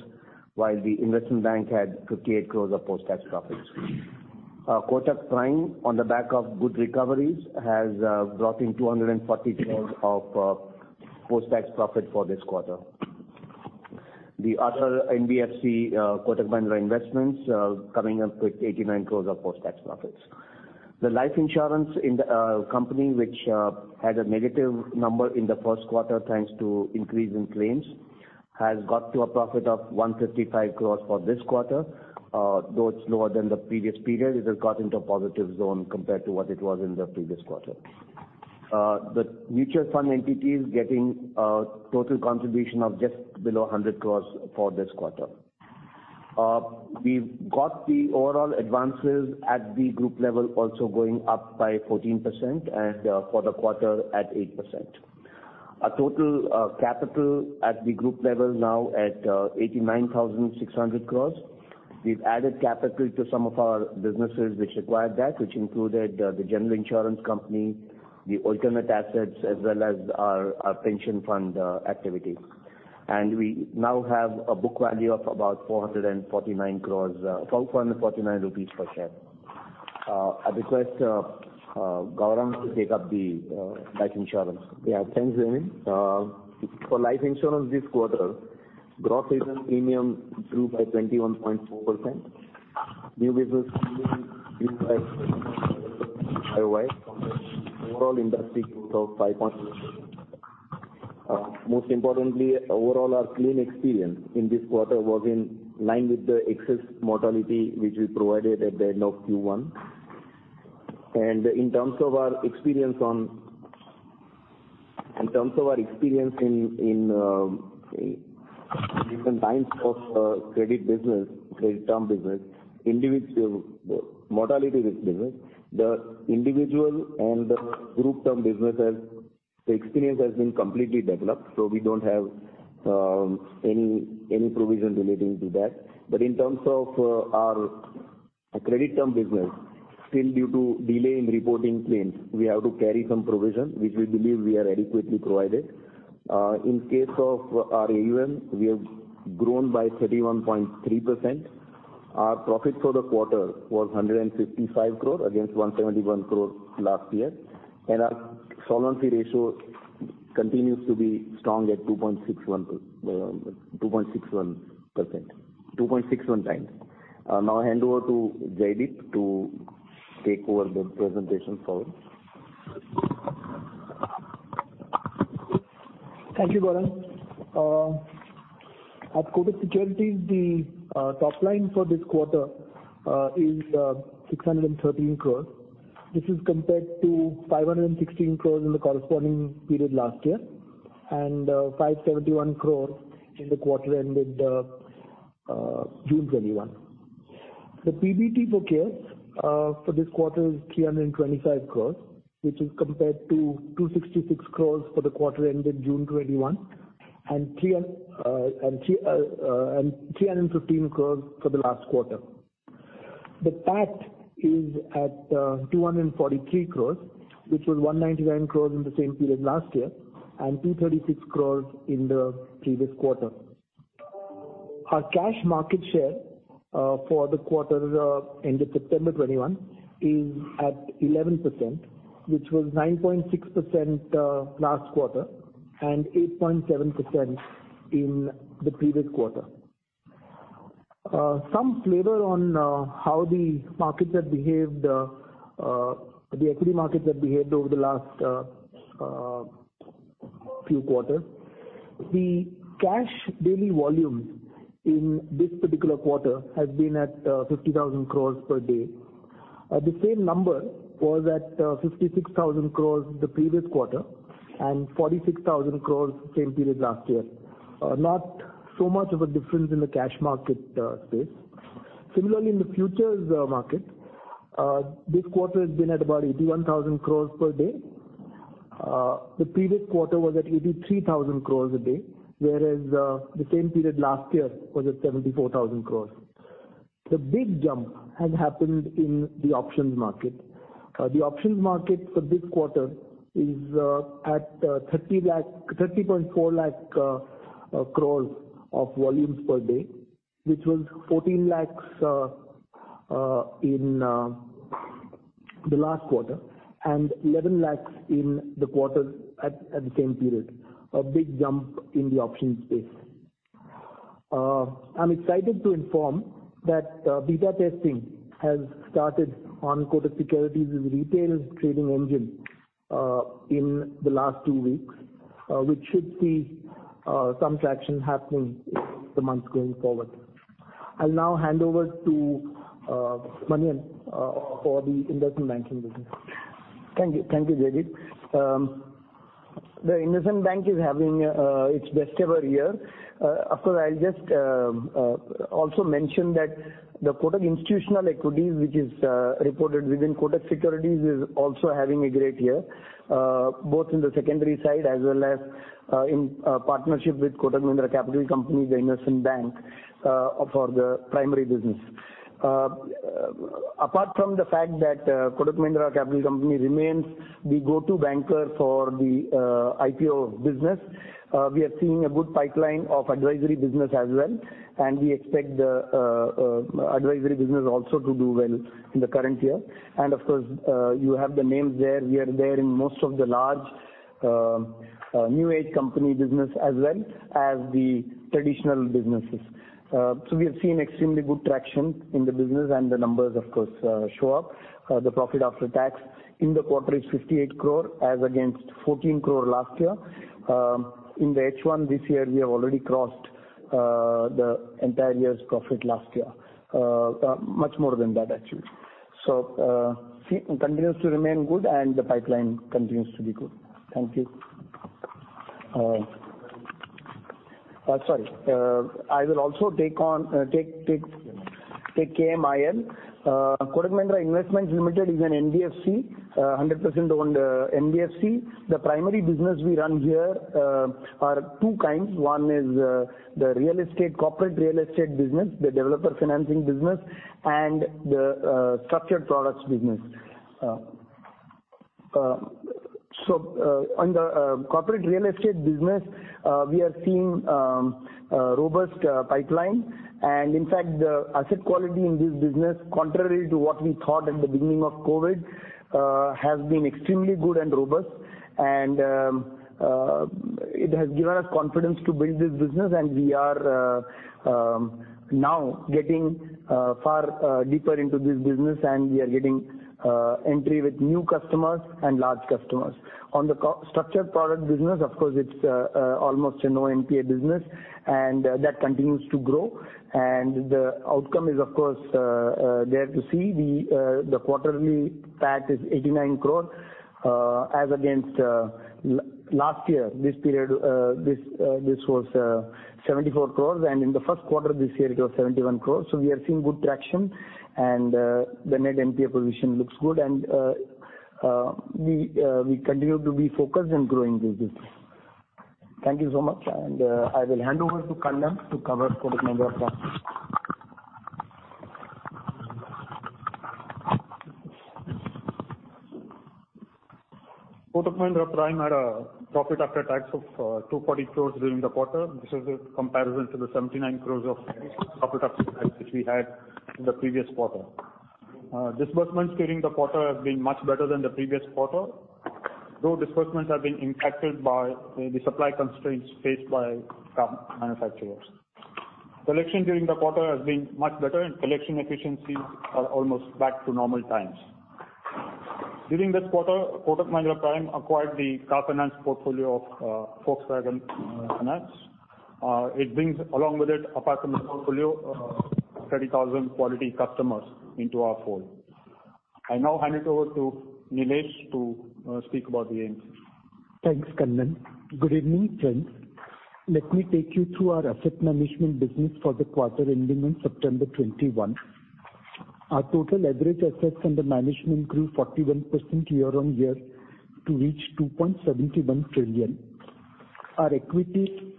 while the investment bank had 58 crores of post-tax profits. Kotak Prime, on the back of good recoveries, has brought in 240 crores of post-tax profit for this quarter. The other NBFC, Kotak Mahindra Investments, coming up with 89 crores of post-tax profits. The Life Insurance company which had a negative number in the first quarter, thanks to increase in claims, has got to a profit of 155 crores for this quarter. Though it's lower than the previous period, it has got into a positive zone compared to what it was in the previous quarter. The mutual fund entity is getting a total contribution of just below 100 crores for this quarter. We've got the overall advances at the group level also going up by 14% and, for the quarter at 8%. Our total capital at the group level now at 89,600 crore. We've added capital to some of our businesses which required that, which included the general insurance company, the alternate assets as well as our pension fund activity. We now have a book value of about 449 crore, 449 rupees per share. I request Gangadharan to take up the Life Insurance. Yeah. Thanks, Jaimin. For Life Insurance this quarter, gross written premium grew by 21.4%. New business overall industry growth of 5.6%. Most importantly, overall our claim experience in this quarter was in line with the excess mortality which we provided at the end of Q1. In terms of our experience on... In terms of our experience in credit business, credit term business, individual mortality risk business, the individual and the group term businesses, the experience has been completely developed, so we don't have any provision relating to that. But in terms of our credit term business, still due to delay in reporting claims, we have to carry some provision, which we believe we are adequately provided. In case of our AUM, we have grown by 31.3%. Our profit for the quarter was 155 crore against 171 crore last year. Our solvency ratio continues to be strong at 2.61x. Now I hand over to Jaideep to take over the presentation forward. Thank you, Gangadharan. At Kotak Securities, the top line for this quarter is 613 crores. This is compared to 516 crores in the corresponding period last year, and 571 crores in the quarter ended June 2021. The PBT for this quarter is 325 crores, which is compared to 266 crores for the quarter ended June 2021, and 315 crores for the last quarter. The PAT is at 243 crores, which was 199 crores in the same period last year, and 236 crores in the previous quarter. Our cash market share for the quarter ended September 2021 is at 11%, which was 9.6% last quarter, and 8.7% in the previous quarter. Some flavor on how the markets have behaved, the equity markets have behaved over the last few quarters. The cash daily volumes in this particular quarter has been at 50,000 crore per day. The same number was at 56,000 crore the previous quarter. 46,000 crore same period last year. Not so much of a difference in the cash market space. Similarly, in the futures market, this quarter has been at about 81,000 crore per day. The previous quarter was at 83,000 crore a day, whereas the same period last year was at 74,000 crore. The big jump has happened in the options market. The options market for this quarter is at 30.4 lakh crores of volumes per day, which was 14 lakh crores in the last quarter and 11 lakh crores in the quarter at the same period. A big jump in the options space. I'm excited to inform that beta testing has started on Kotak Securities' retail trading engine in the last two weeks, which should see some traction happening in the months going forward. I'll now hand over to Manian for the investment banking business. Thank you. Thank you, Jaideep. The investment bank is having its best ever year. Of course, I'll just also mention that the Kotak Institutional Equities, which is reported within Kotak Securities, is also having a great year, both in the secondary side as well as in partnership with Kotak Mahindra Capital Company, the investment bank, for the primary business. Apart from the fact that Kotak Mahindra Capital Company remains the go-to banker for the IPO business, we are seeing a good pipeline of advisory business as well, and we expect the advisory business also to do well in the current year. Of course, you have the names there. We are there in most of the large new age company business as well as the traditional businesses. We are seeing extremely good traction in the business and the numbers of course show up. The profit after tax in the quarter is 58 crore as against 14 crore last year. In the H1 this year, we have already crossed the entire year's profit last year. Much more than that actually. CASA continues to remain good and the pipeline continues to be good. Thank you. Sorry. I will also take on KMIL. Kotak Mahindra Investments Limited is an NBFC, 100% owned NBFC. The primary business we run here are two kinds. One is the real estate, corporate real estate business, the developer financing business and the structured products business. On the corporate real estate business, we are seeing a robust pipeline. In fact, the asset quality in this business, contrary to what we thought at the beginning of COVID, has been extremely good and robust, and it has given us confidence to build this business and we are now getting far deeper into this business and we are getting entry with new customers and large customers. On the structured product business, of course it's almost a no NPA business and that continues to grow. The outcome is of course there to see. The quarterly PAT is 89 crore, as against last year, this period, this was 74 crore and in the first quarter this year it was 71 crore. We are seeing good traction and the net NPA position looks good and we continue to be focused in growing this business. Thank you so much. I will hand over to Kannan to cover Kotak Mahindra Prime. Kotak Mahindra Prime had a profit after tax of 240 crore during the quarter. This is in comparison to the 79 crore of profit after tax which we had in the previous quarter. Disbursements during the quarter have been much better than the previous quarter, though disbursements have been impacted by the supply constraints faced by car manufacturers. Collection during the quarter has been much better and collection efficiencies are almost back to normal times. During this quarter, Kotak Mahindra Prime acquired the car finance portfolio of Volkswagen Finance. It brings along with it, apart from the portfolio, 30,000 quality customers into our fold. I now hand it over to Nilesh to speak about the aims. Thanks, Kannan. Good evening, friends. Let me take you through our asset management business for the quarter ending September 2021. Our total average assets under management grew 41% year-on-year to reach 2.71 trillion. Our equity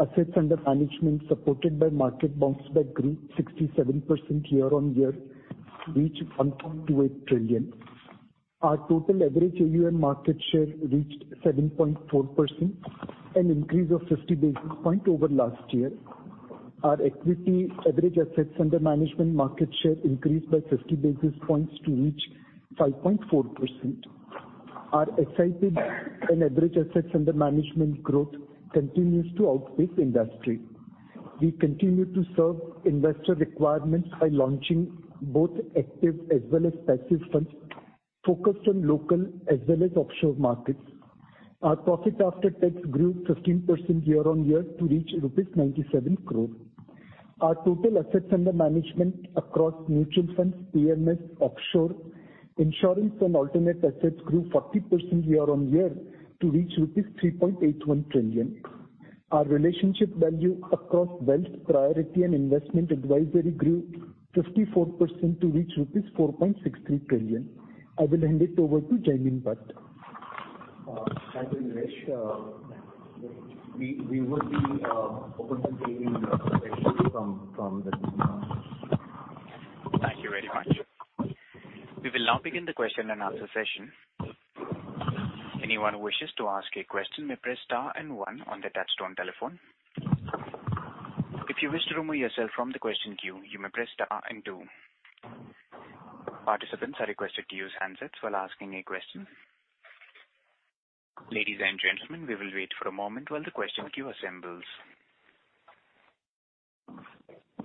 assets under management supported by market bounce back grew 67% year-on-year to reach 1.28 trillion. Our total average AUM market share reached 7.4%, an increase of 50 basis point over last year. Our equity average assets under management market share increased by 50 basis points to reach 5.4%. Our SIP and average assets under management growth continues to outpace industry. We continue to serve investor requirements by launching both active as well as passive funds focused on local as well as offshore markets. Our profit after tax grew 15% year-on-year to reach rupees 97 crore. Our total assets under management across mutual funds, PMS, offshore insurance and alternate assets grew 40% year-on-year to reach rupees 3.81 trillion. Our relationship value across wealth priority and investment advisory grew 54% to reach rupees 4.63 trillion. I will hand it over to Jaimin Bhatt. Thank you, Nilesh Shah. We will be open for taking questions from the Thank you very much. We will now begin the question and answer session. Anyone who wishes to ask a question may press star and one on their touch-tone telephone. If you wish to remove yourself from the question queue, you may press star and two. Participants are requested to use handsets while asking a question. Ladies and gentlemen, we will wait for a moment while the question queue assembles.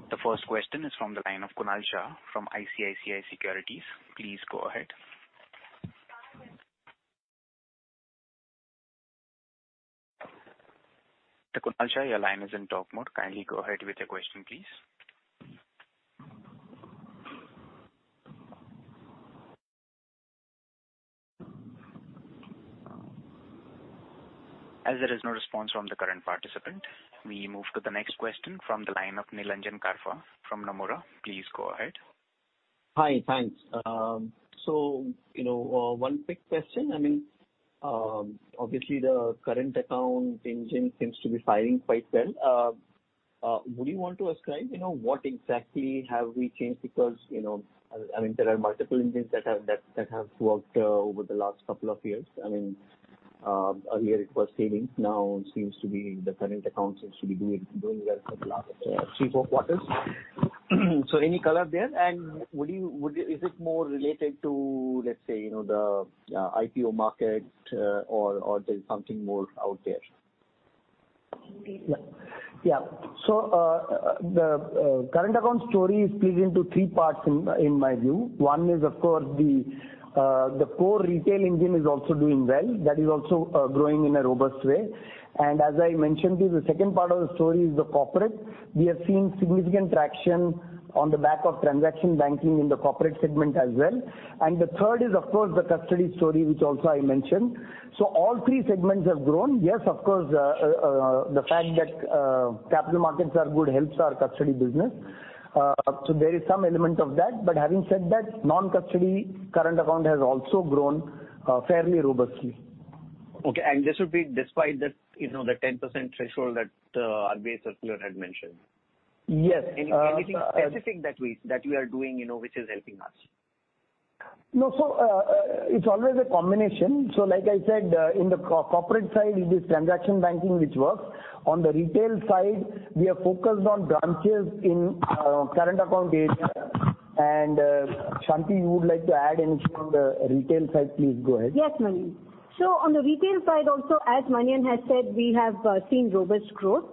The first question is from the line of Kunal Shah from ICICI Securities. Please go ahead. Kunal Shah, your line is in talk mode. Kindly go ahead with your question, please. As there is no response from the current participant, we move to the next question from the line of Nilanjan Karfa from Nomura. Please go ahead. Hi. Thanks. You know, one quick question. I mean, obviously the current account engine seems to be firing quite well. Would you want to ascribe, you know, what exactly have we changed? Because, you know, I mean, there are multiple engines that have worked over the last couple of years. I mean, earlier it was savings. Now it seems to be the current account seems to be doing well for the last three to four quarters. Any color there? And would you, is it more related to, let's say, you know, the IPO market, or there's something more out there? Yeah. The current account story is split into three parts in my view. One is, of course, the core retail engine is also doing well. That is also growing in a robust way. As I mentioned to you, the second part of the story is the corporate. We have seen significant traction on the back of transaction banking in the Corporate segment as well. The third is, of course, the custody story, which also I mentioned. All three segments have grown. Yes, of course, the fact that capital markets are good helps our custody business. There is some element of that. But having said that, non-custody current account has also grown fairly robustly. Okay. This would be despite the, you know, the 10% threshold that RBI circular had mentioned. Yes. Anything specific that we are doing, you know, which is helping us? No. It's always a combination. Like I said, in the corporate side, it is transaction banking which works. On the retail side, we are focused on branches in current account area. Shanti, you would like to add anything on the retail side, please go ahead. Yes, Manian. On the retail side also, as Manian has said, we have seen robust growth,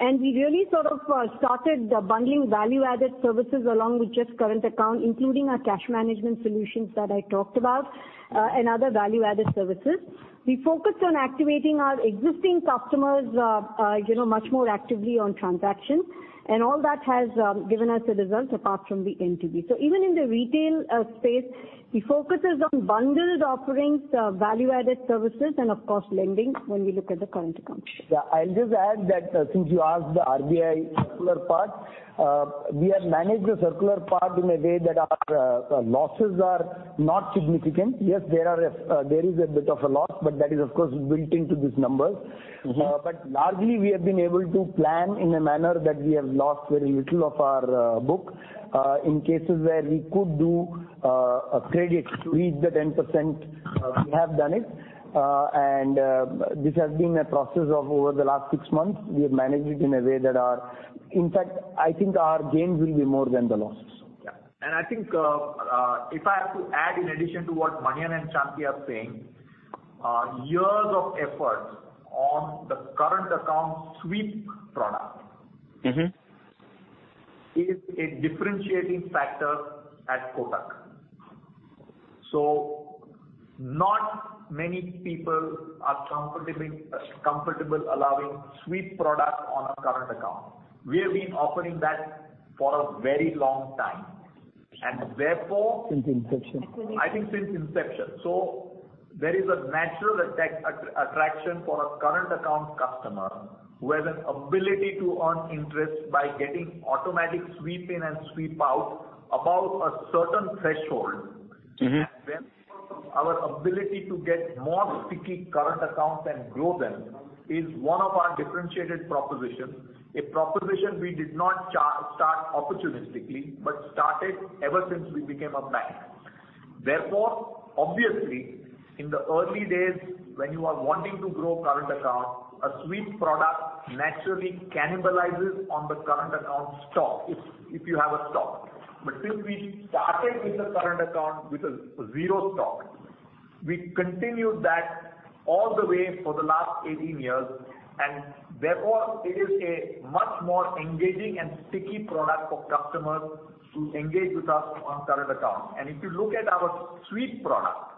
and we really sort of started bundling value-added services along with just current account, including our cash management solutions that I talked about, and other value-added services. We focused on activating our existing customers, you know, much more actively on transactions, and all that has given us a result apart from the NTB. Even in the retail space, the focus is on bundled offerings, value-added services and of course lending when we look at the current account. Yeah. I'll just add that since you asked the RBI circular part, we have managed the circular part in a way that our losses are not significant. Yes, there is a bit of a loss, but that is of course built into these numbers. Mm-hmm. Largely we have been able to plan in a manner that we have lost very little of our book. In cases where we could do credits to reach the 10%, we have done it. This has been a process of over the last six months. We have managed it in a way. In fact, I think our gains will be more than the losses. Yeah. I think, if I have to add, in addition to what Manian and Shanti are saying, years of effort on the current account sweep product. Mm-hmm. Is a differentiating factor at Kotak. Not many people are comfortable allowing sweep product on a current account. We have been offering that for a very long time, and therefore- Since inception. Absolutely. I think since inception there is a natural attraction for a current account customer who has an ability to earn interest by getting automatic sweep in and sweep out above a certain threshold. Mm-hmm. Therefore, our ability to get more sticky current accounts and grow them is one of our differentiated propositions, a proposition we did not start opportunistically, but started ever since we became a bank. Therefore, obviously, in the early days, when you are wanting to grow current account, a sweep product naturally cannibalizes on the current account stock, if you have a stock. Since we started with the current account with a zero stock, we continued that all the way for the last 18 years and therefore it is a much more engaging and sticky product for customers to engage with us on current account. If you look at our sweep product,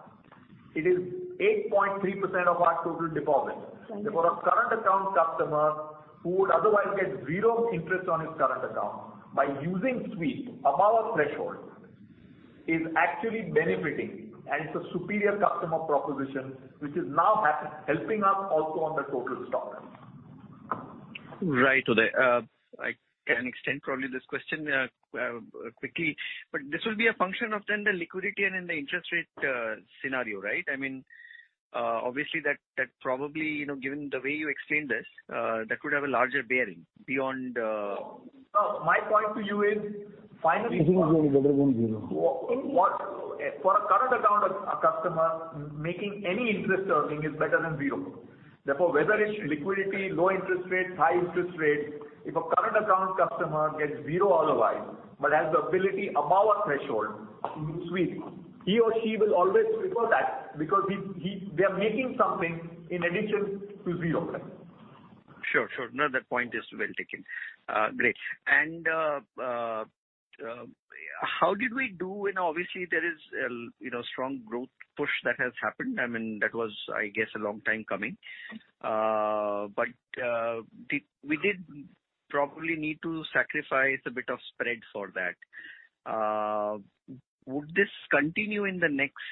it is 8.3% of our total deposits. Right. Therefore, a current account customer who would otherwise get zero interest on his current account by using Sweep above a threshold is actually benefiting. It's a superior customer proposition, which is now helping us also on the total stock. Right. Today, I can extend probably this question quickly, but this will be a function of then the liquidity and then the interest rate scenario, right? I mean, obviously that probably, you know, given the way you explained this, that could have a larger bearing beyond. No. My point to you is finally. Anything is really better than zero. For a current account of a customer making any interest earning is better than zero. Therefore, whether it's liquidity, low interest rate, high interest rate, if a current account customer gets zero otherwise, but has the ability above a threshold in Sweep, he or she will always prefer that because they are making something in addition to zero. Sure. No, that point is well taken. Great. How did we do? Obviously there is you know, strong growth push that has happened. I mean, that was, I guess, a long time coming. We did probably need to sacrifice a bit of spread for that. Would this continue in the next,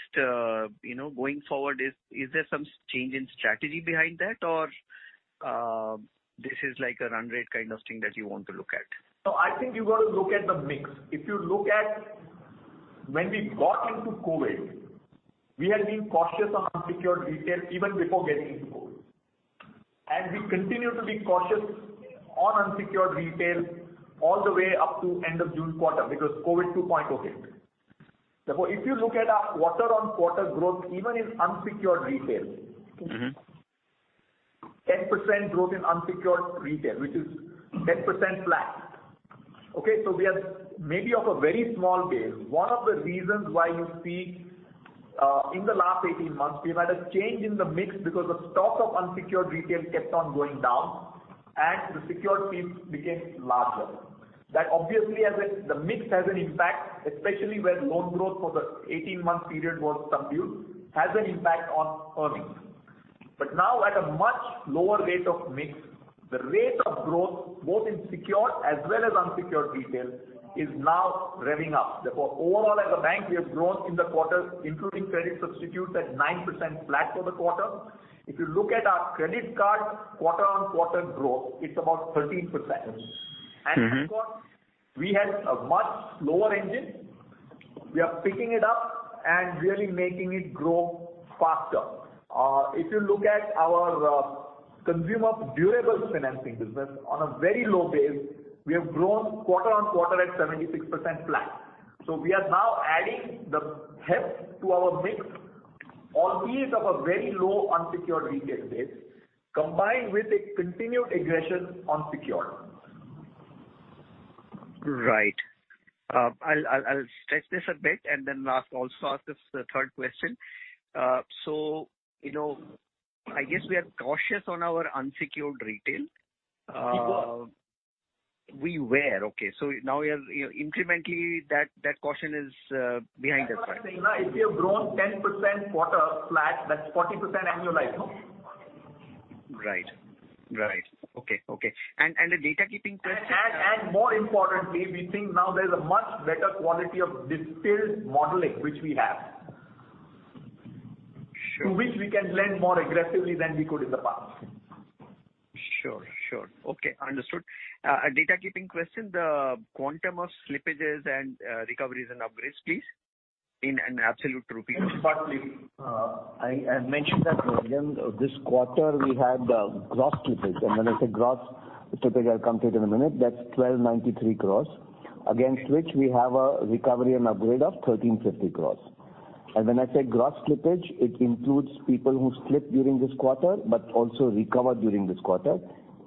you know, going forward, is there some change in strategy behind that? Or, this is like a run rate kind of thing that you want to look at? No, I think you got to look at the mix. If you look at when we got into COVID, we had been cautious on unsecured retail even before getting into COVID. We continued to be cautious on unsecured retail all the way up to end of June quarter because COVID 2.0 hit. Therefore, if you look at our quarter-on-quarter growth even in unsecured retail. Mm-hmm. 10% growth in unsecured retail, which is 10% flat. Okay? We are maybe off a very small base. One of the reasons why you see in the last 18 months we've had a change in the mix because the stock of unsecured retail kept on going down and the secured piece became larger. That obviously the mix has an impact, especially when loan growth for the 18-month period was subdued, has an impact on earnings. Now at a much lower rate of mix, the rate of growth, both in secured as well as unsecured retail, is now revving up. Therefore, overall as a bank, we have grown in the quarter, including credit substitutes at 9% flat for the quarter. If you look at our credit card quarter-on-quarter growth, it's about 13%. Mm-hmm. Therefore we had a much lower engine. We are picking it up and really making it grow faster. If you look at our consumer durables financing business on a very low base, we have grown quarter-on-quarter at 76% flat. We are now adding the heft to our mix on the ease of a very low unsecured retail base combined with a continued aggression on secure. Right. I'll stretch this a bit and then last also ask this, the third question. You know, I guess we are cautious on our unsecured retail. We were. Now we are, you know, incrementally that caution is behind us, right? That's what I'm saying. If you have grown 10% quarter flat, that's 40% annualized. No? Right. Okay. A housekeeping question. More importantly, we think now there's a much better quality of distilled modeling which we have. Sure. To which we can lend more aggressively than we could in the past. Sure. Okay, understood. A data keeping question, the quantum of slippages and recoveries and upgrades, please, in absolute rupee terms. First, I mentioned that during this quarter we had gross slippage. When I say gross slippage, I'll come to it in a minute. That's 1,293 crores, against which we have a recovery and upgrade of 1,350 crores. When I say gross slippage, it includes people who slipped during this quarter but also recovered during this quarter.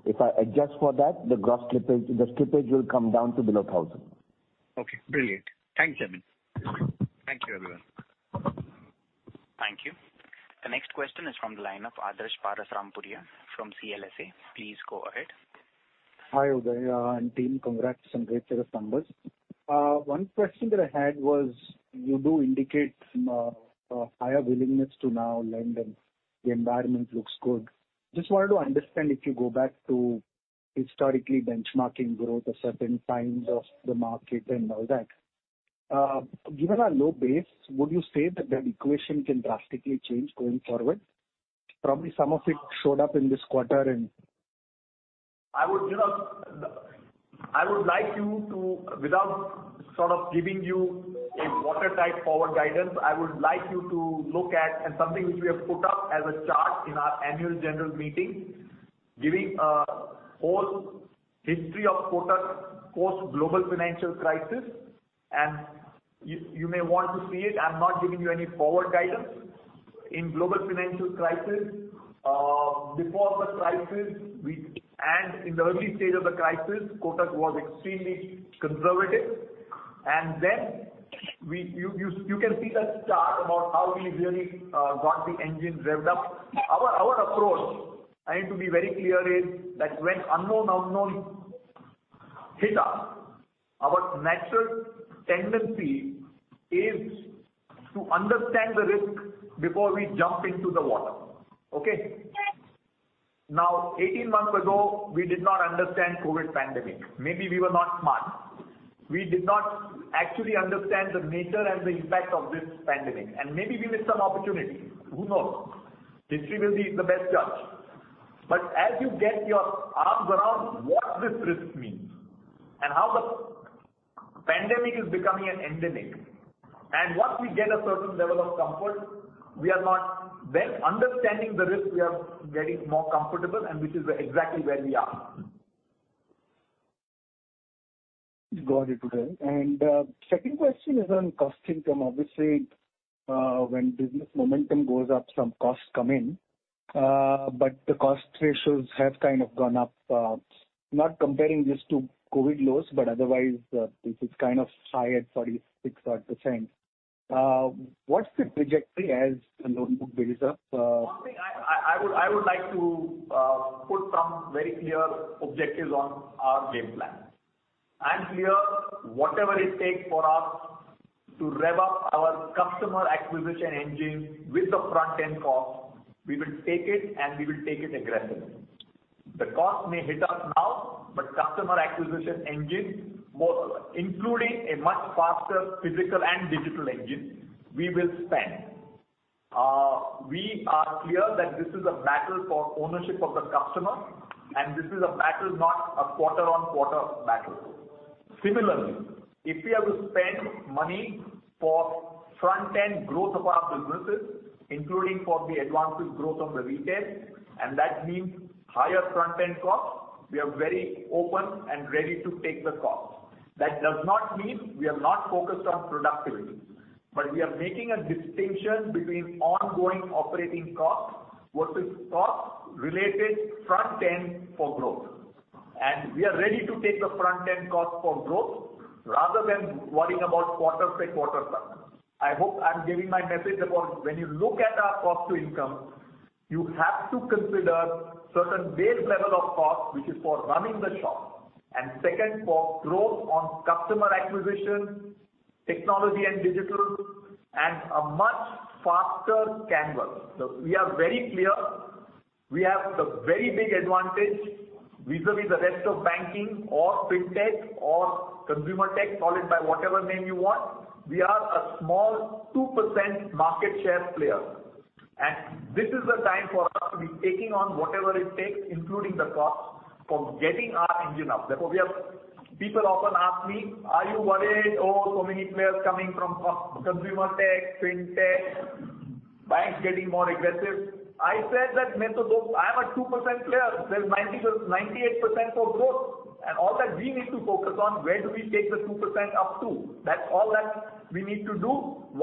If I adjust for that, the slippage will come down to below 1,000. Okay, brilliant. Thanks, Jaimin Bhatt. Thank you, everyone. Thank you. The next question is from the line of Adarsh Parasrampuria from CLSA. Please go ahead. Hi, Uday and team. Congrats on great set of numbers. One question that I had was you do indicate some higher willingness to now lend and the environment looks good. Just wanted to understand, if you go back to historically benchmarking growth at certain times of the market and all that, given our low base, would you say that the equation can drastically change going forward. Probably some of it showed up in this quarter. I would like you to without sort of giving you a watertight forward guidance, I would like you to look at and something which we have put up as a chart in our annual general meeting, giving a whole history of Kotak post global financial crisis. You may want to see it. I'm not giving you any forward guidance. In global financial crisis, before the crisis, we and in the early stage of the crisis, Kotak was extremely conservative. Then we can see the chart about how we really got the engine revved up. Our approach, I need to be very clear, is that when unknown unknowns hit us. Our natural tendency is to understand the risk before we jump into the water. Now, 18 months ago, we did not understand COVID pandemic. Maybe we were not smart. We did not actually understand the nature and the impact of this pandemic, and maybe we missed some opportunities. Who knows? History will be the best judge. As you get your arms around what this risk means and how the pandemic is becoming an endemic, and once we get a certain level of comfort, we are not then understanding the risk, we are getting more comfortable, and which is exactly where we are. Got it, Uday. Second question is on cost-to-income. Obviously, when business momentum goes up, some costs come in, but the cost ratios have kind of gone up. Not comparing this to COVID lows, but otherwise this is kind of high at 36 odd %. What's the trajectory as the loan book builds up? One thing I would like to put some very clear objectives on our game plan. I'm clear whatever it takes for us to rev up our customer acquisition engine with the front-end cost, we will take it and we will take it aggressively. The cost may hit us now, but customer acquisition engine, including a much faster physical and digital engine, we will spend. We are clear that this is a battle for ownership of the customer, and this is a battle, not a quarter-on-quarter battle. Similarly, if we have to spend money for front-end growth of our businesses, including for the advances growth of the retail, and that means higher front-end costs, we are very open and ready to take the cost. That does not mean we are not focused on productivity, but we are making a distinction between ongoing operating costs vs costs related to front-end for growth. We are ready to take the front-end cost for growth rather than worrying about quarter by quarter costs. I hope I'm giving my message about when you look at our cost to income, you have to consider certain base level of costs, which is for running the shop, and second, for growth on customer acquisition, technology and digital, and a much faster canvas. We are very clear. We have the very big advantage vis-à-vis the rest of banking or fintech or consumer tech, call it by whatever name you want. We are a small 2% market share player, and this is the time for us to be taking on whatever it takes, including the cost for getting our engine up. Therefore, people often ask me, "Are you worried? Oh, so many players coming from consumer tech, FinTech, banks getting more aggressive." I said that, "I am a 2% player. There's 99%, 98% for growth, and all that we need to focus on, where do we take the 2% up to?" That's all that we need to do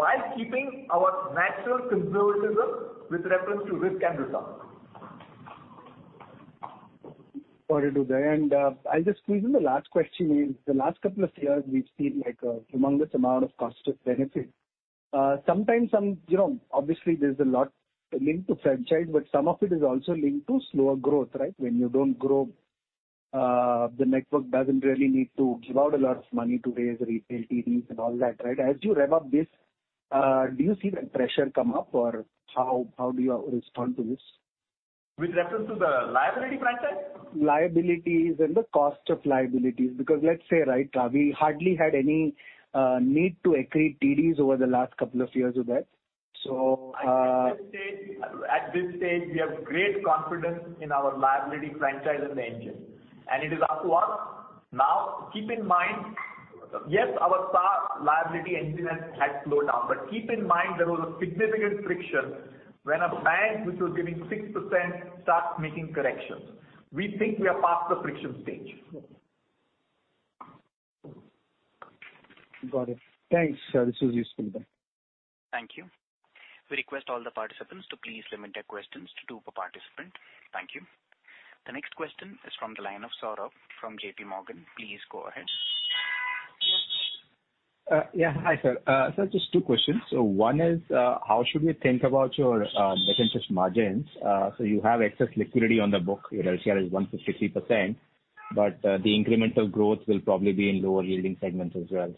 while keeping our natural conservatism with reference to risk and return. Got it, Uday. I'll just squeeze in the last question. Is the last couple of years we've seen like a humongous amount of cost of benefit. Sometimes some, you know, obviously there's a lot linked to franchise, but some of it is also linked to slower growth, right? When you don't grow, the network doesn't really need to give out a lot of money to raise retail TDs and all that, right? As you rev up this, do you see that pressure come up or how do you respond to this? With reference to the liability franchise? Liabilities and the cost of liabilities because, let's say, right, we hardly had any need to accrete TDs over the last couple of years with that. I think at this stage we have great confidence in our liability franchise and the engine, and it is up to us. Now, keep in mind, yes, our star liability engine had slowed down, but keep in mind there was a significant friction when a bank which was giving 6% starts making corrections. We think we are past the friction stage. Got it. Thanks, sir. This was useful then. Thank you. We request all the participants to please limit their questions to two per participant. Thank you. The next question is from the line of Saurabh from JPMorgan. Please go ahead. Yeah. Hi, sir. Sir, just two questions. One is, how should we think about your net interest margins? You have excess liquidity on the book. Your LCR is 153%, but the incremental growth will probably be in lower yielding segments as well.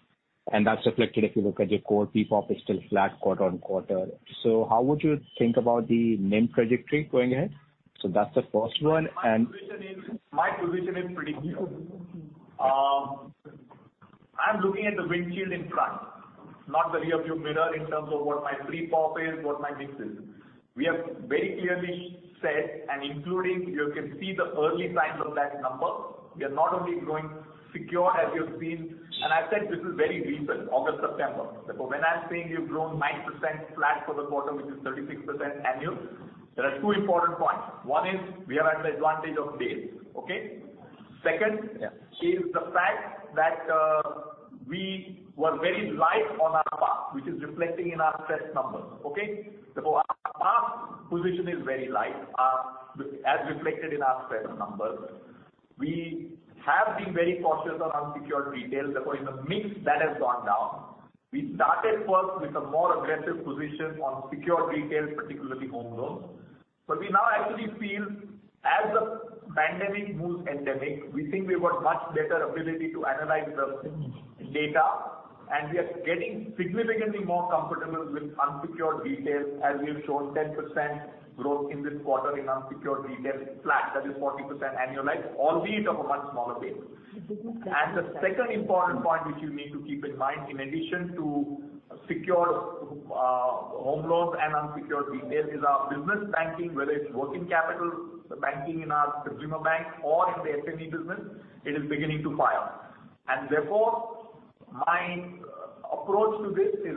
That's reflected if you look at your core PPOP is still flat quarter-on-quarter. How would you think about the NIM trajectory going ahead? That's the first one and- My position is pretty clear. I'm looking at the windshield in front, not the rearview mirror in terms of what my PPOP is, what my mix is. We have very clearly said, and including you can see the early signs of that number. We are not only growing secured, as you've seen, and I said this is very recent, August, September. Therefore, when I'm saying we've grown 9% flat for the quarter, which is 36% annual, there are two important points. One is we are at the advantage of base. Second- Yeah. It's the fact that we were very light on our PAR, which is reflecting in our stress numbers. Okay? Therefore, our PAR position is very light, as reflected in our stress numbers. We have been very cautious on unsecured retail. Therefore, in the mix that has gone down. We started first with a more aggressive position on secured retail, particularly home loans. We now actually feel as the pandemic moves endemic, we think we've got much better ability to analyze the data, and we are getting significantly more comfortable with unsecured retail as we have shown 10% growth in this quarter in unsecured retail flat. That is 40% annualized, albeit of a much smaller base. The business The second important point which you need to keep in mind, in addition to secured, home loans and unsecured retail is our business banking, whether it's working capital, the banking in our consumer bank or in the SME business, it is beginning to fire. Therefore, my approach to this is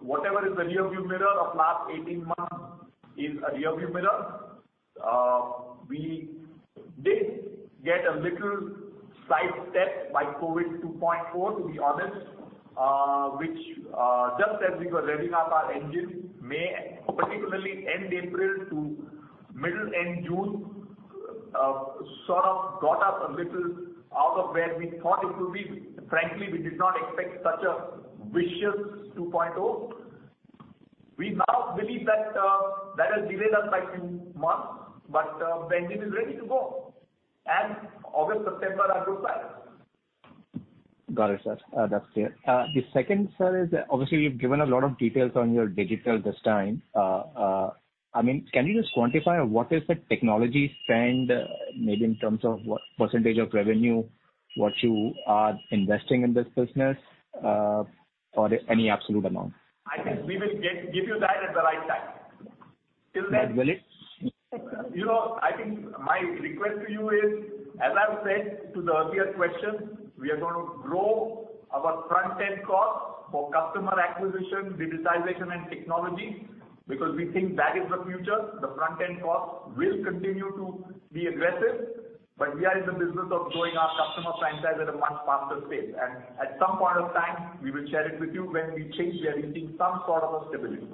whatever is the rearview mirror of last 18 months is a rearview mirror. We did get a little sidestep by COVID 2.4, to be honest, which, just as we were revving up our engine, May, particularly end April to middle and June, sort of got up a little out of where we thought it will be. Frankly, we did not expect such a Vicious 2.0. We now believe that has delayed us by two months, but the engine is ready to go and August, September are good signs. Got it, sir. That's clear. The second, sir, is obviously you've given a lot of details on your digital this time. I mean, can you just quantify what is the technology spend, maybe in terms of what % of revenue, what you are investing in this business, or any absolute amount? I think we will give you that at the right time. Till then- That will it? You know, I think my request to you is, as I've said to the earlier question, we are gonna grow our front-end costs for customer acquisition, digitalization, and technology because we think that is the future. The front-end costs will continue to be aggressive, but we are in the business of growing our customer franchise at a much faster pace. At some point of time, we will share it with you when we think we are seeing some sort of a stability.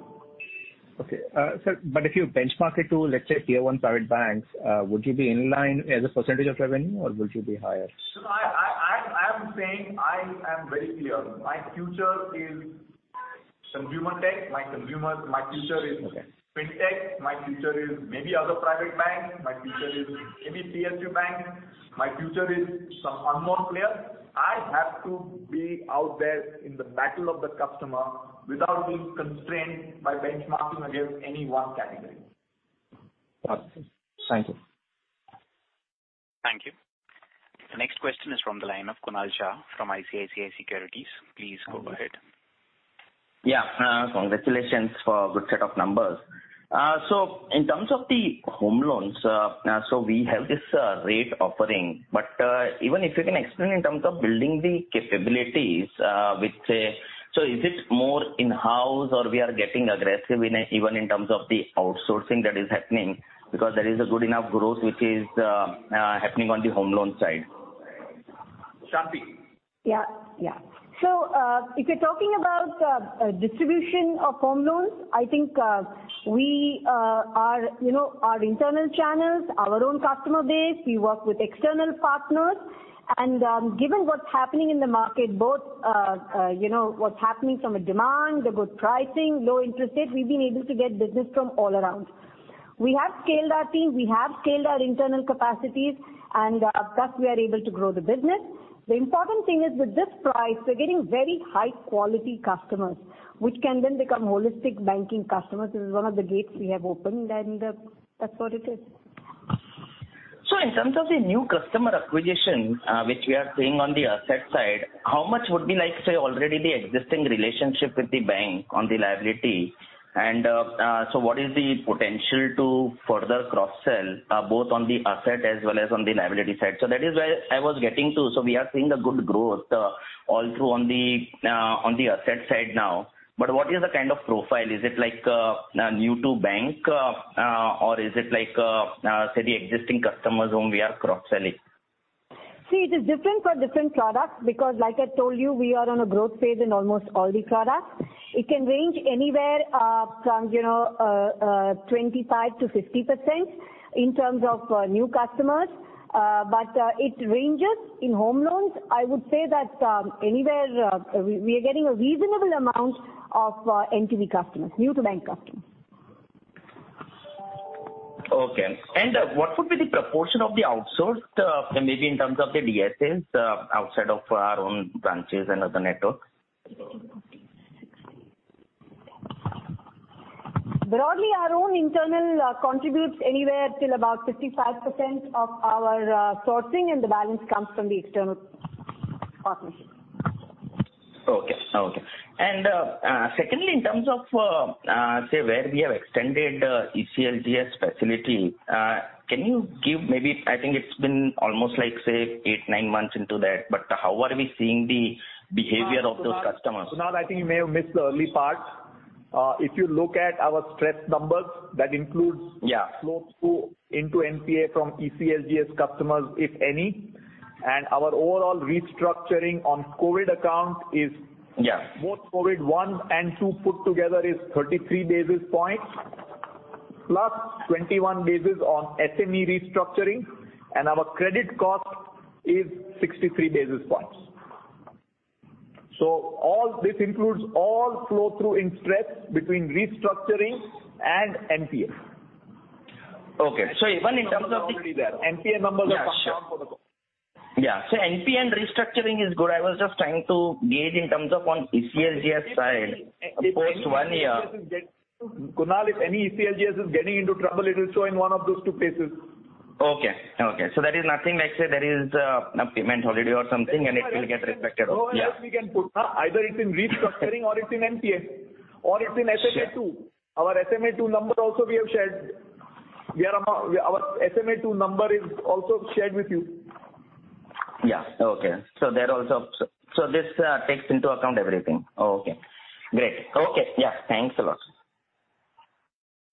Okay. Sir, if you benchmark it to, let's say, tier one private banks, would you be in line as a % of revenue or would you be higher? I'm saying I am very clear. My future is consumer tech. My future is- Okay. Fintech. My future is maybe other private bank. My future is maybe PSU bank. My future is some unknown player. I have to be out there in the battle of the customer without being constrained by benchmarking against any one category. Got it, sir. Thank you. Thank you. The next question is from the line of Kunal Shah from ICICI Securities. Please go ahead. Yeah. Congratulations for good set of numbers. In terms of the home loans, we have this rate offering, but even if you can explain in terms of building the capabilities, with say, is it more in-house or we are getting aggressive in a even in terms of the outsourcing that is happening because there is a good enough growth which is happening on the home loan side. Shanti. Yeah. If you're talking about distribution of home loans, I think we are, you know, our internal channels, our own customer base, we work with external partners. Given what's happening in the market, both you know what's happening from a demand, the good pricing, low interest rate, we've been able to get business from all around. We have scaled our team, we have scaled our internal capacities, and thus we are able to grow the business. The important thing is with this price, we're getting very high quality customers, which can then become holistic banking customers. This is one of the gates we have opened, and that's what it is. In terms of the new customer acquisition, which we are seeing on the asset side, how much would be like, say, already the existing relationship with the bank on the liability? What is the potential to further cross-sell, both on the asset as well as on the liability side? That is where I was getting to. We are seeing a good growth all through on the asset side now. But what is the kind of profile? Is it like new to bank, or is it like say the existing customers whom we are cross-selling? See, it is different for different products because like I told you, we are on a growth phase in almost all the products. It can range anywhere from, you know, 25%-50% in terms of new customers. It ranges. In home loans, I would say that anywhere we are getting a reasonable amount of NTB customers, new to bank customers. Okay. What would be the proportion of the outsourced, maybe in terms of the DSAs, outside of our own branches and other networks? Broadly, our own internal contributes anywhere till about 55% of our sourcing, and the balance comes from the external partners. Okay. Secondly, in terms of say where we have extended ECLGS facility, can you give maybe I think it's been almost like, say, eight, nine months into that, but how are we seeing the behavior of those customers? Kunal, I think you may have missed the early part. If you look at our stress numbers, that includes- Yeah. Flow through into NPA from ECLGS customers, if any. Our overall restructuring on COVID account is.. Yeah. Both COVID 1 and 2 put together is 33 basis points. +21 basis on SME restructuring and our credit cost is 63 basis points. All this includes all flow through in stress between restructuring and NPA. Okay. Even in terms of NPA numbers are already there. NPA numbers are strong for the Yeah. NPA and restructuring is good. I was just trying to gauge in terms of on ECLGS side post one year. Kunal, if any ECLGS is getting into trouble, it will show in one of those two places. Okay. That is nothing like, say, there is a payment holiday or something, and it will get reflected. Yeah. Either it's in restructuring or it's in NPA or it's in SMA-2. Our SMA-2 number also we have shared. Our SMA-2 number is also shared with you. Yeah. Okay. This takes into account everything. Okay, great. Okay. Yeah. Thanks a lot.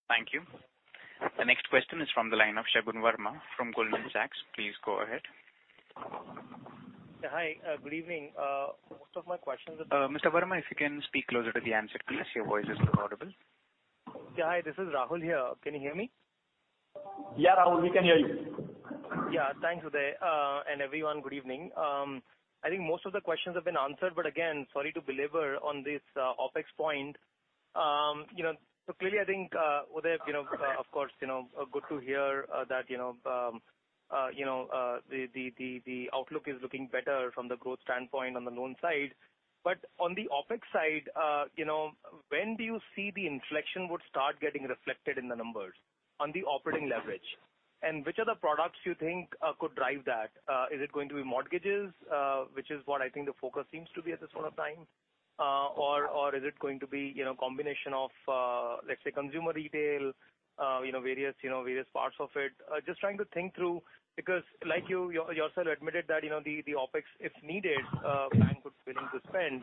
Thank you. The next question is from the line of Rahul Verma from Goldman Sachs. Please go ahead. Hi, good evening. Most of my questions- Mr. Verma, if you can speak closer to the answer please. Your voice is inaudible. Yeah. Hi, this is Rahul here. Can you hear me? Yeah, Rahul, we can hear you. Yeah. Thanks, Uday, and everyone, good evening. I think most of the questions have been answered, but again, sorry to belabor on this OpEx point. You know, so clearly, I think, Uday, you know, of course, you know, good to hear that you know the outlook is looking better from the growth standpoint on the loan side. But on the OpEx side, you know, when do you see the inflection would start getting reflected in the numbers on the operating leverage? And which are the products you think could drive that? Is it going to be mortgages, which is what I think the focus seems to be at this point of time, or is it going to be, you know, combination of, let's say consumer retail, you know, various, you know, various parts of it? Just trying to think through, because like you, yourself admitted that, you know, the OpEx, if needed, bank would be willing to spend,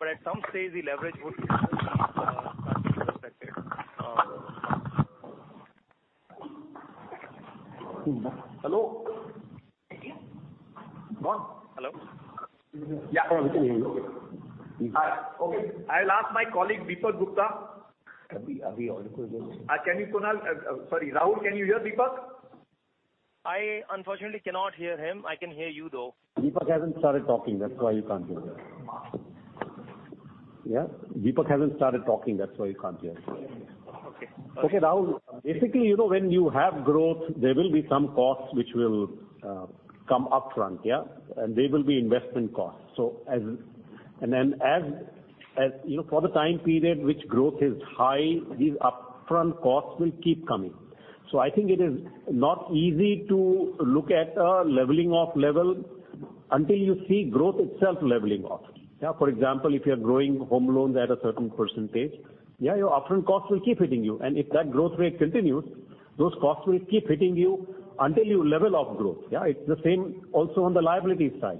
but at some stage the leverage would be reflected. Hello. Hello? Yeah. We can hear you. Okay. I'll ask my colleague Dipak Gupta. Rahul, can you hear Dipak? I unfortunately cannot hear him. I can hear you, though. Dipak hasn't started talking. That's why you can't hear him. Yeah. Okay. Okay, Rahul. Basically, you know, when you have growth, there will be some costs which will come upfront, yeah. They will be investment costs. You know, for the time period which growth is high, these upfront costs will keep coming. I think it is not easy to look at a leveling off level until you see growth itself leveling off. Yeah. For example, if you are growing home loans at a certain %, yeah, your upfront costs will keep hitting you. If that growth rate continues, those costs will keep hitting you until you level off growth. Yeah. It's the same also on the liability side.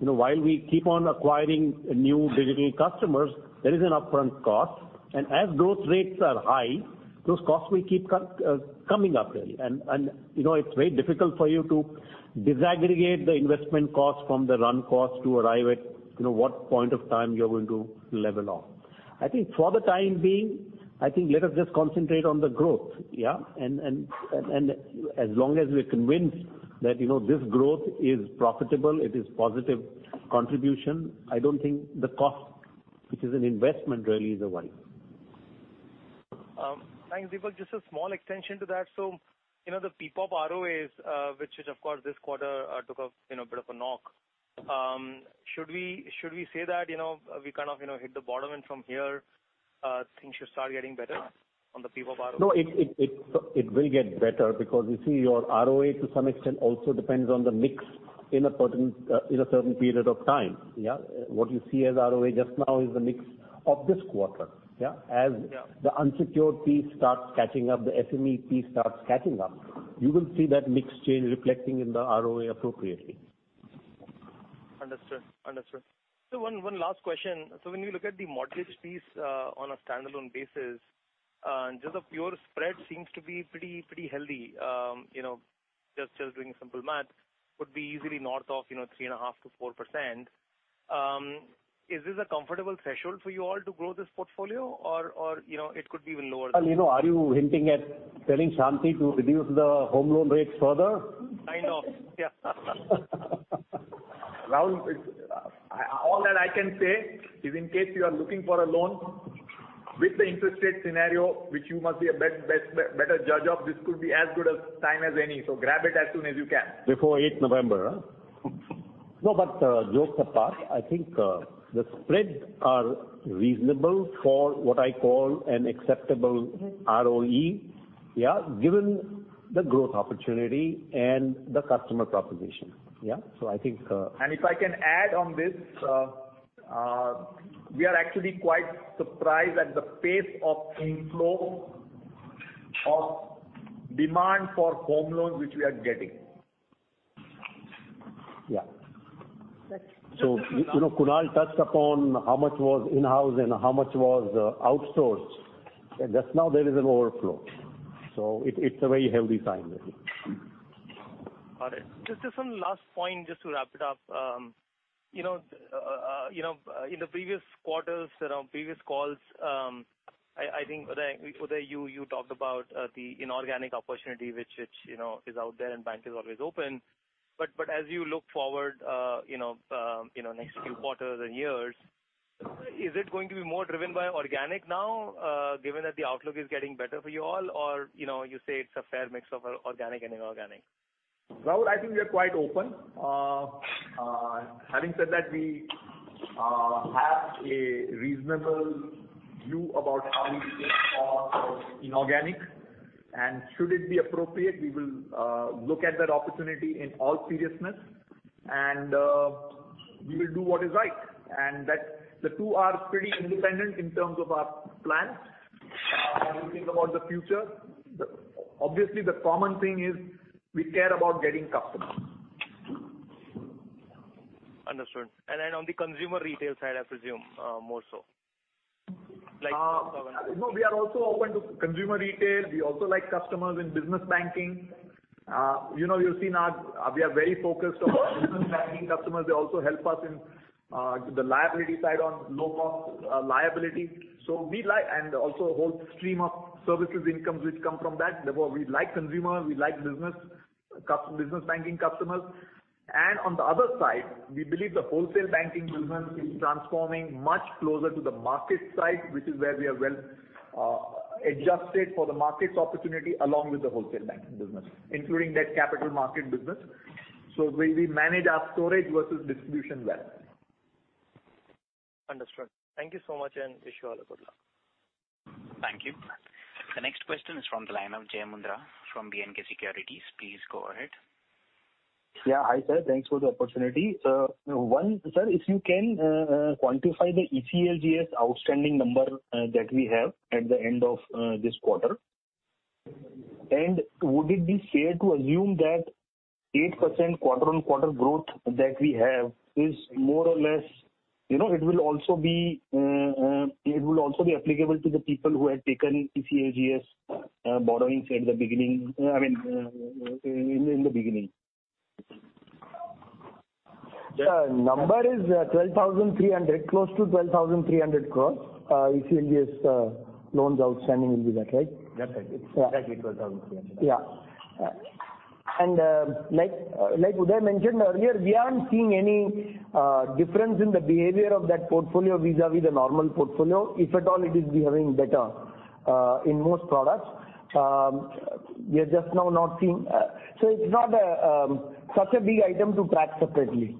You know, while we keep on acquiring new digital customers, there is an upfront cost. As growth rates are high, those costs will keep coming up really. You know, it's very difficult for you to disaggregate the investment costs from the run costs to arrive at, you know, what point of time you're going to level off. I think for the time being, I think let us just concentrate on the growth, yeah. As long as we're convinced that, you know, this growth is profitable, it is positive contribution, I don't think the cost, which is an investment really is a worry. Thanks, Dipak. Just a small extension to that. You know, the PPOP ROAs, which is of course this quarter, took a you know bit of a knock. Should we say that, you know, we kind of you know hit the bottom and from here things should start getting better on the PPOP ROA? No, it will get better because you see your ROA to some extent also depends on the mix in a certain period of time. Yeah. What you see as ROA just now is the mix of this quarter. Yeah. Yeah. As the unsecured piece starts catching up, the SME piece starts catching up, you will see that mix change reflecting in the ROA appropriately. One last question. When you look at the mortgage piece, on a standalone basis, just the pure spread seems to be pretty healthy. You know, just doing simple math, could be easily north of, you know, 3.5%-4%. Is this a comfortable threshold for you all to grow this portfolio or, you know, it could be even lower than- Well, you know, are you hinting at telling Shanti to reduce the home loan rates further? Kind of, yeah. Rahul, it's all that I can say is in case you are looking for a loan with the interest rate scenario, which you must be a better judge of, this could be as good a time as any. Grab it as soon as you can. Before eighth November? No, but jokes apart, I think the spreads are reasonable for what I call an acceptable ROE, yeah, given the growth opportunity and the customer proposition. Yeah. I think If I can add on this, we are actually quite surprised at the pace of inflow of demand for home loans which we are getting. Yeah. You know, Kunal touched upon how much was in-house and how much was outsourced. Just now there is an overflow, so it's a very healthy sign really. Got it. Just this one last point just to wrap it up. You know, in the previous quarters, previous calls, I think Uday you talked about the inorganic opportunity, which is out there and bank is always open. But as you look forward, you know, next few quarters and years, is it going to be more driven by organic now, given that the outlook is getting better for you all or you say it's a fair mix of organic and inorganic? Rahul, I think we are quite open. Having said that, we have a reasonable view about how we think of inorganic, and should it be appropriate, we will look at that opportunity in all seriousness, and we will do what is right. That's the two are pretty independent in terms of our plans. When we think about the future, obviously the common thing is we care about getting customers. Understood. On the consumer retail side, I presume, more so. Like No, we are also open to consumer retail. We also like customers in business banking. You know, you'll see now, we are very focused on business banking customers. They also help us in the liability side on low cost liability. We like and also a whole stream of services incomes which come from that. Therefore, we like consumers, we like business banking customers. On the other side, we believe the wholesale banking business is transforming much closer to the market side, which is where we are well adjusted for the markets opportunity along with the wholesale banking business, including debt capital market business. We manage our sourcing vs distribution well. Understood. Thank you so much, and I wish you all good luck. Thank you. The next question is from the line of Jai Mundhra from B&K Securities. Please go ahead. Yeah. Hi, sir. Thanks for the opportunity. One, sir, if you can quantify the ECLGS outstanding number that we have at the end of this quarter. Would it be fair to assume that 8% quarter-on-quarter growth that we have is more or less, you know, it will also be applicable to the people who had taken ECLGS borrowings at the beginning, I mean, in the beginning. Sir, number is 12,300 crore, close to 12,300 crore. ECLGS loans outstanding will be that, right? That's right. Yeah. Exactly INR 12,300 crore. Yeah. Like Uday mentioned earlier, we aren't seeing any difference in the behavior of that portfolio vis-a-vis the normal portfolio. If at all it is behaving better in most products, we are just now not seeing, so it's not such a big item to track separately,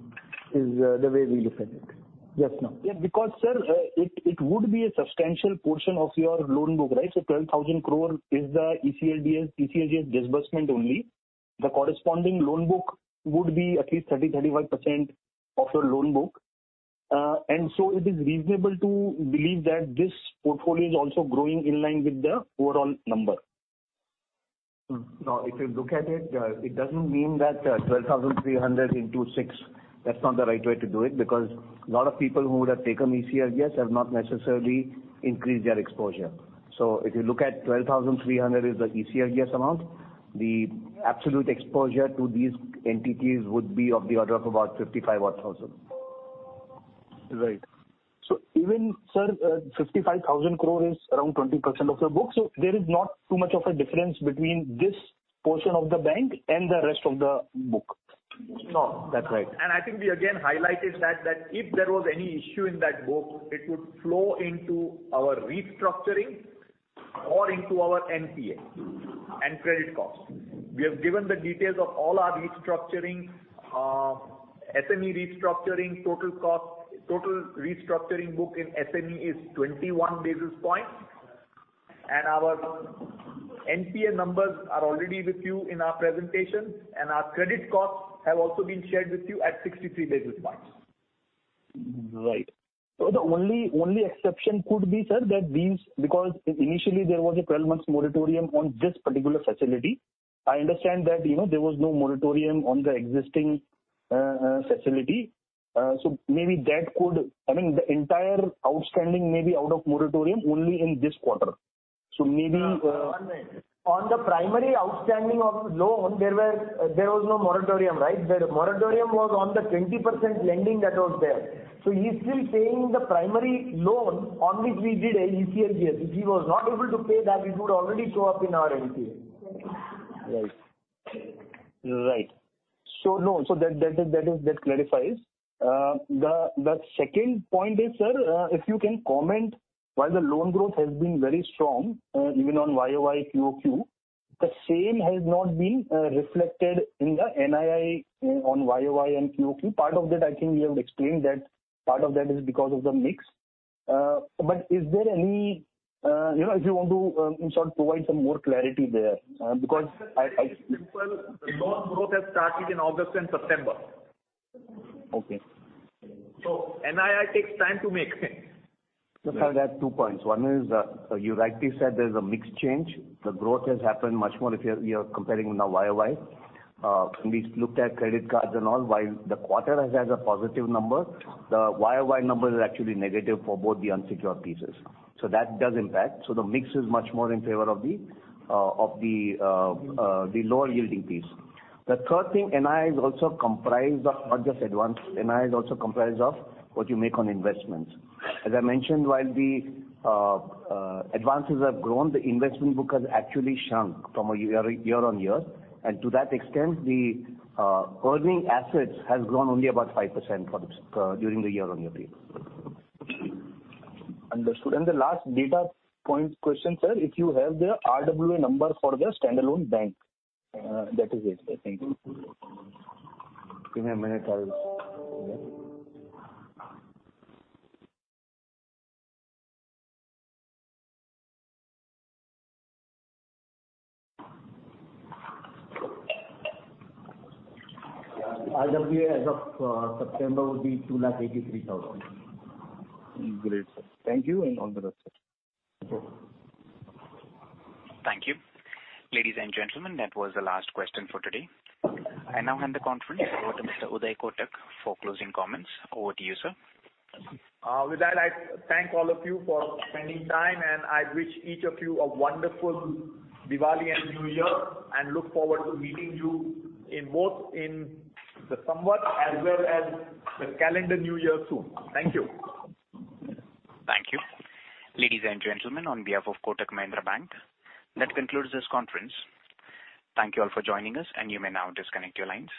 is the way we look at it just now. Yeah, because, sir, it would be a substantial portion of your loan book, right? 12,000 crore is the ECLGS disbursement only. The corresponding loan book would be at least 30%-35% of your loan book. It is reasonable to believe that this portfolio is also growing in line with the overall number. No. If you look at it doesn't mean that 12,300 crore into six. That's not the right way to do it, because a lot of people who would have taken ECLGS have not necessarily increased their exposure. If you look at 12,300 crore is the ECLGS amount, the absolute exposure to these entities would be of the order of about 55,000 crore odd. Right. Even, sir, 55,000 crore is around 20% of your book. There is not too much of a difference between this portion of the bank and the rest of the book. No. That's right. I think we again highlighted that if there was any issue in that book, it would flow into our restructuring or into our NPA and credit costs. We have given the details of all our restructuring, SME restructuring, total cost, total restructuring book in SME is 21 basis points. Our NPA numbers are already with you in our presentation, and our credit costs have also been shared with you at 63 basis points. Right. The only exception could be, sir, that these because initially there was a 12 months moratorium on this particular facility. I understand that, you know, there was no moratorium on the existing facility. Maybe that could. I mean, the entire outstanding may be out of moratorium only in this quarter. Maybe No. One minute. On the primary outstanding of loan, there was no moratorium, right? The moratorium was on the 20% lending that was there. So he's still paying the primary loan on which we did a ECLGS. If he was not able to pay that, it would already show up in our NPA. That clarifies. The second point is, sir, if you can comment on why the loan growth has been very strong, even on YoY QOQ, the same has not been reflected in the NII on YoY and QOQ. Part of that, I think we have explained that is because of the mix. Is there any, you know, if you want to, in short, provide some more clarity there, because I- It's simple. The loan growth has started in August and September. Okay. NII takes time to make. Sir, I'll add two points. One is, you rightly said there's a mix change. The growth has happened much more if you're comparing with now YoY. When we looked at credit cards and all, while the quarter has had a positive number, the YoY number is actually negative for both the unsecured pieces. So that does impact. So the mix is much more in favor of the lower yielding piece. The third thing, NII is also comprised of not just advance. NII is also comprised of what you make on investments. As I mentioned, while the advances have grown, the investment book has actually shrunk from a year on year. To that extent, the earning assets has grown only about 5% for this during the year on year period. Understood. The last data point question, sir, if you have the RWA number for the standalone bank? That is it. Thank you. Give me a minute. RWA as of September will be 2,83,000. Great, sir. Thank you, and all the best, sir. Thank you. Ladies and gentlemen, that was the last question for today. I now hand the conference over to Mr. Uday Kotak for closing comments. Over to you, sir. With that, I thank all of you for spending time, and I wish each of you a wonderful Diwali and New Year, and look forward to meeting you in both the summer as well as the calendar new year soon. Thank you. Thank you. Ladies and gentlemen, on behalf of Kotak Mahindra Bank, that concludes this conference. Thank you all for joining us, and you may now disconnect your lines.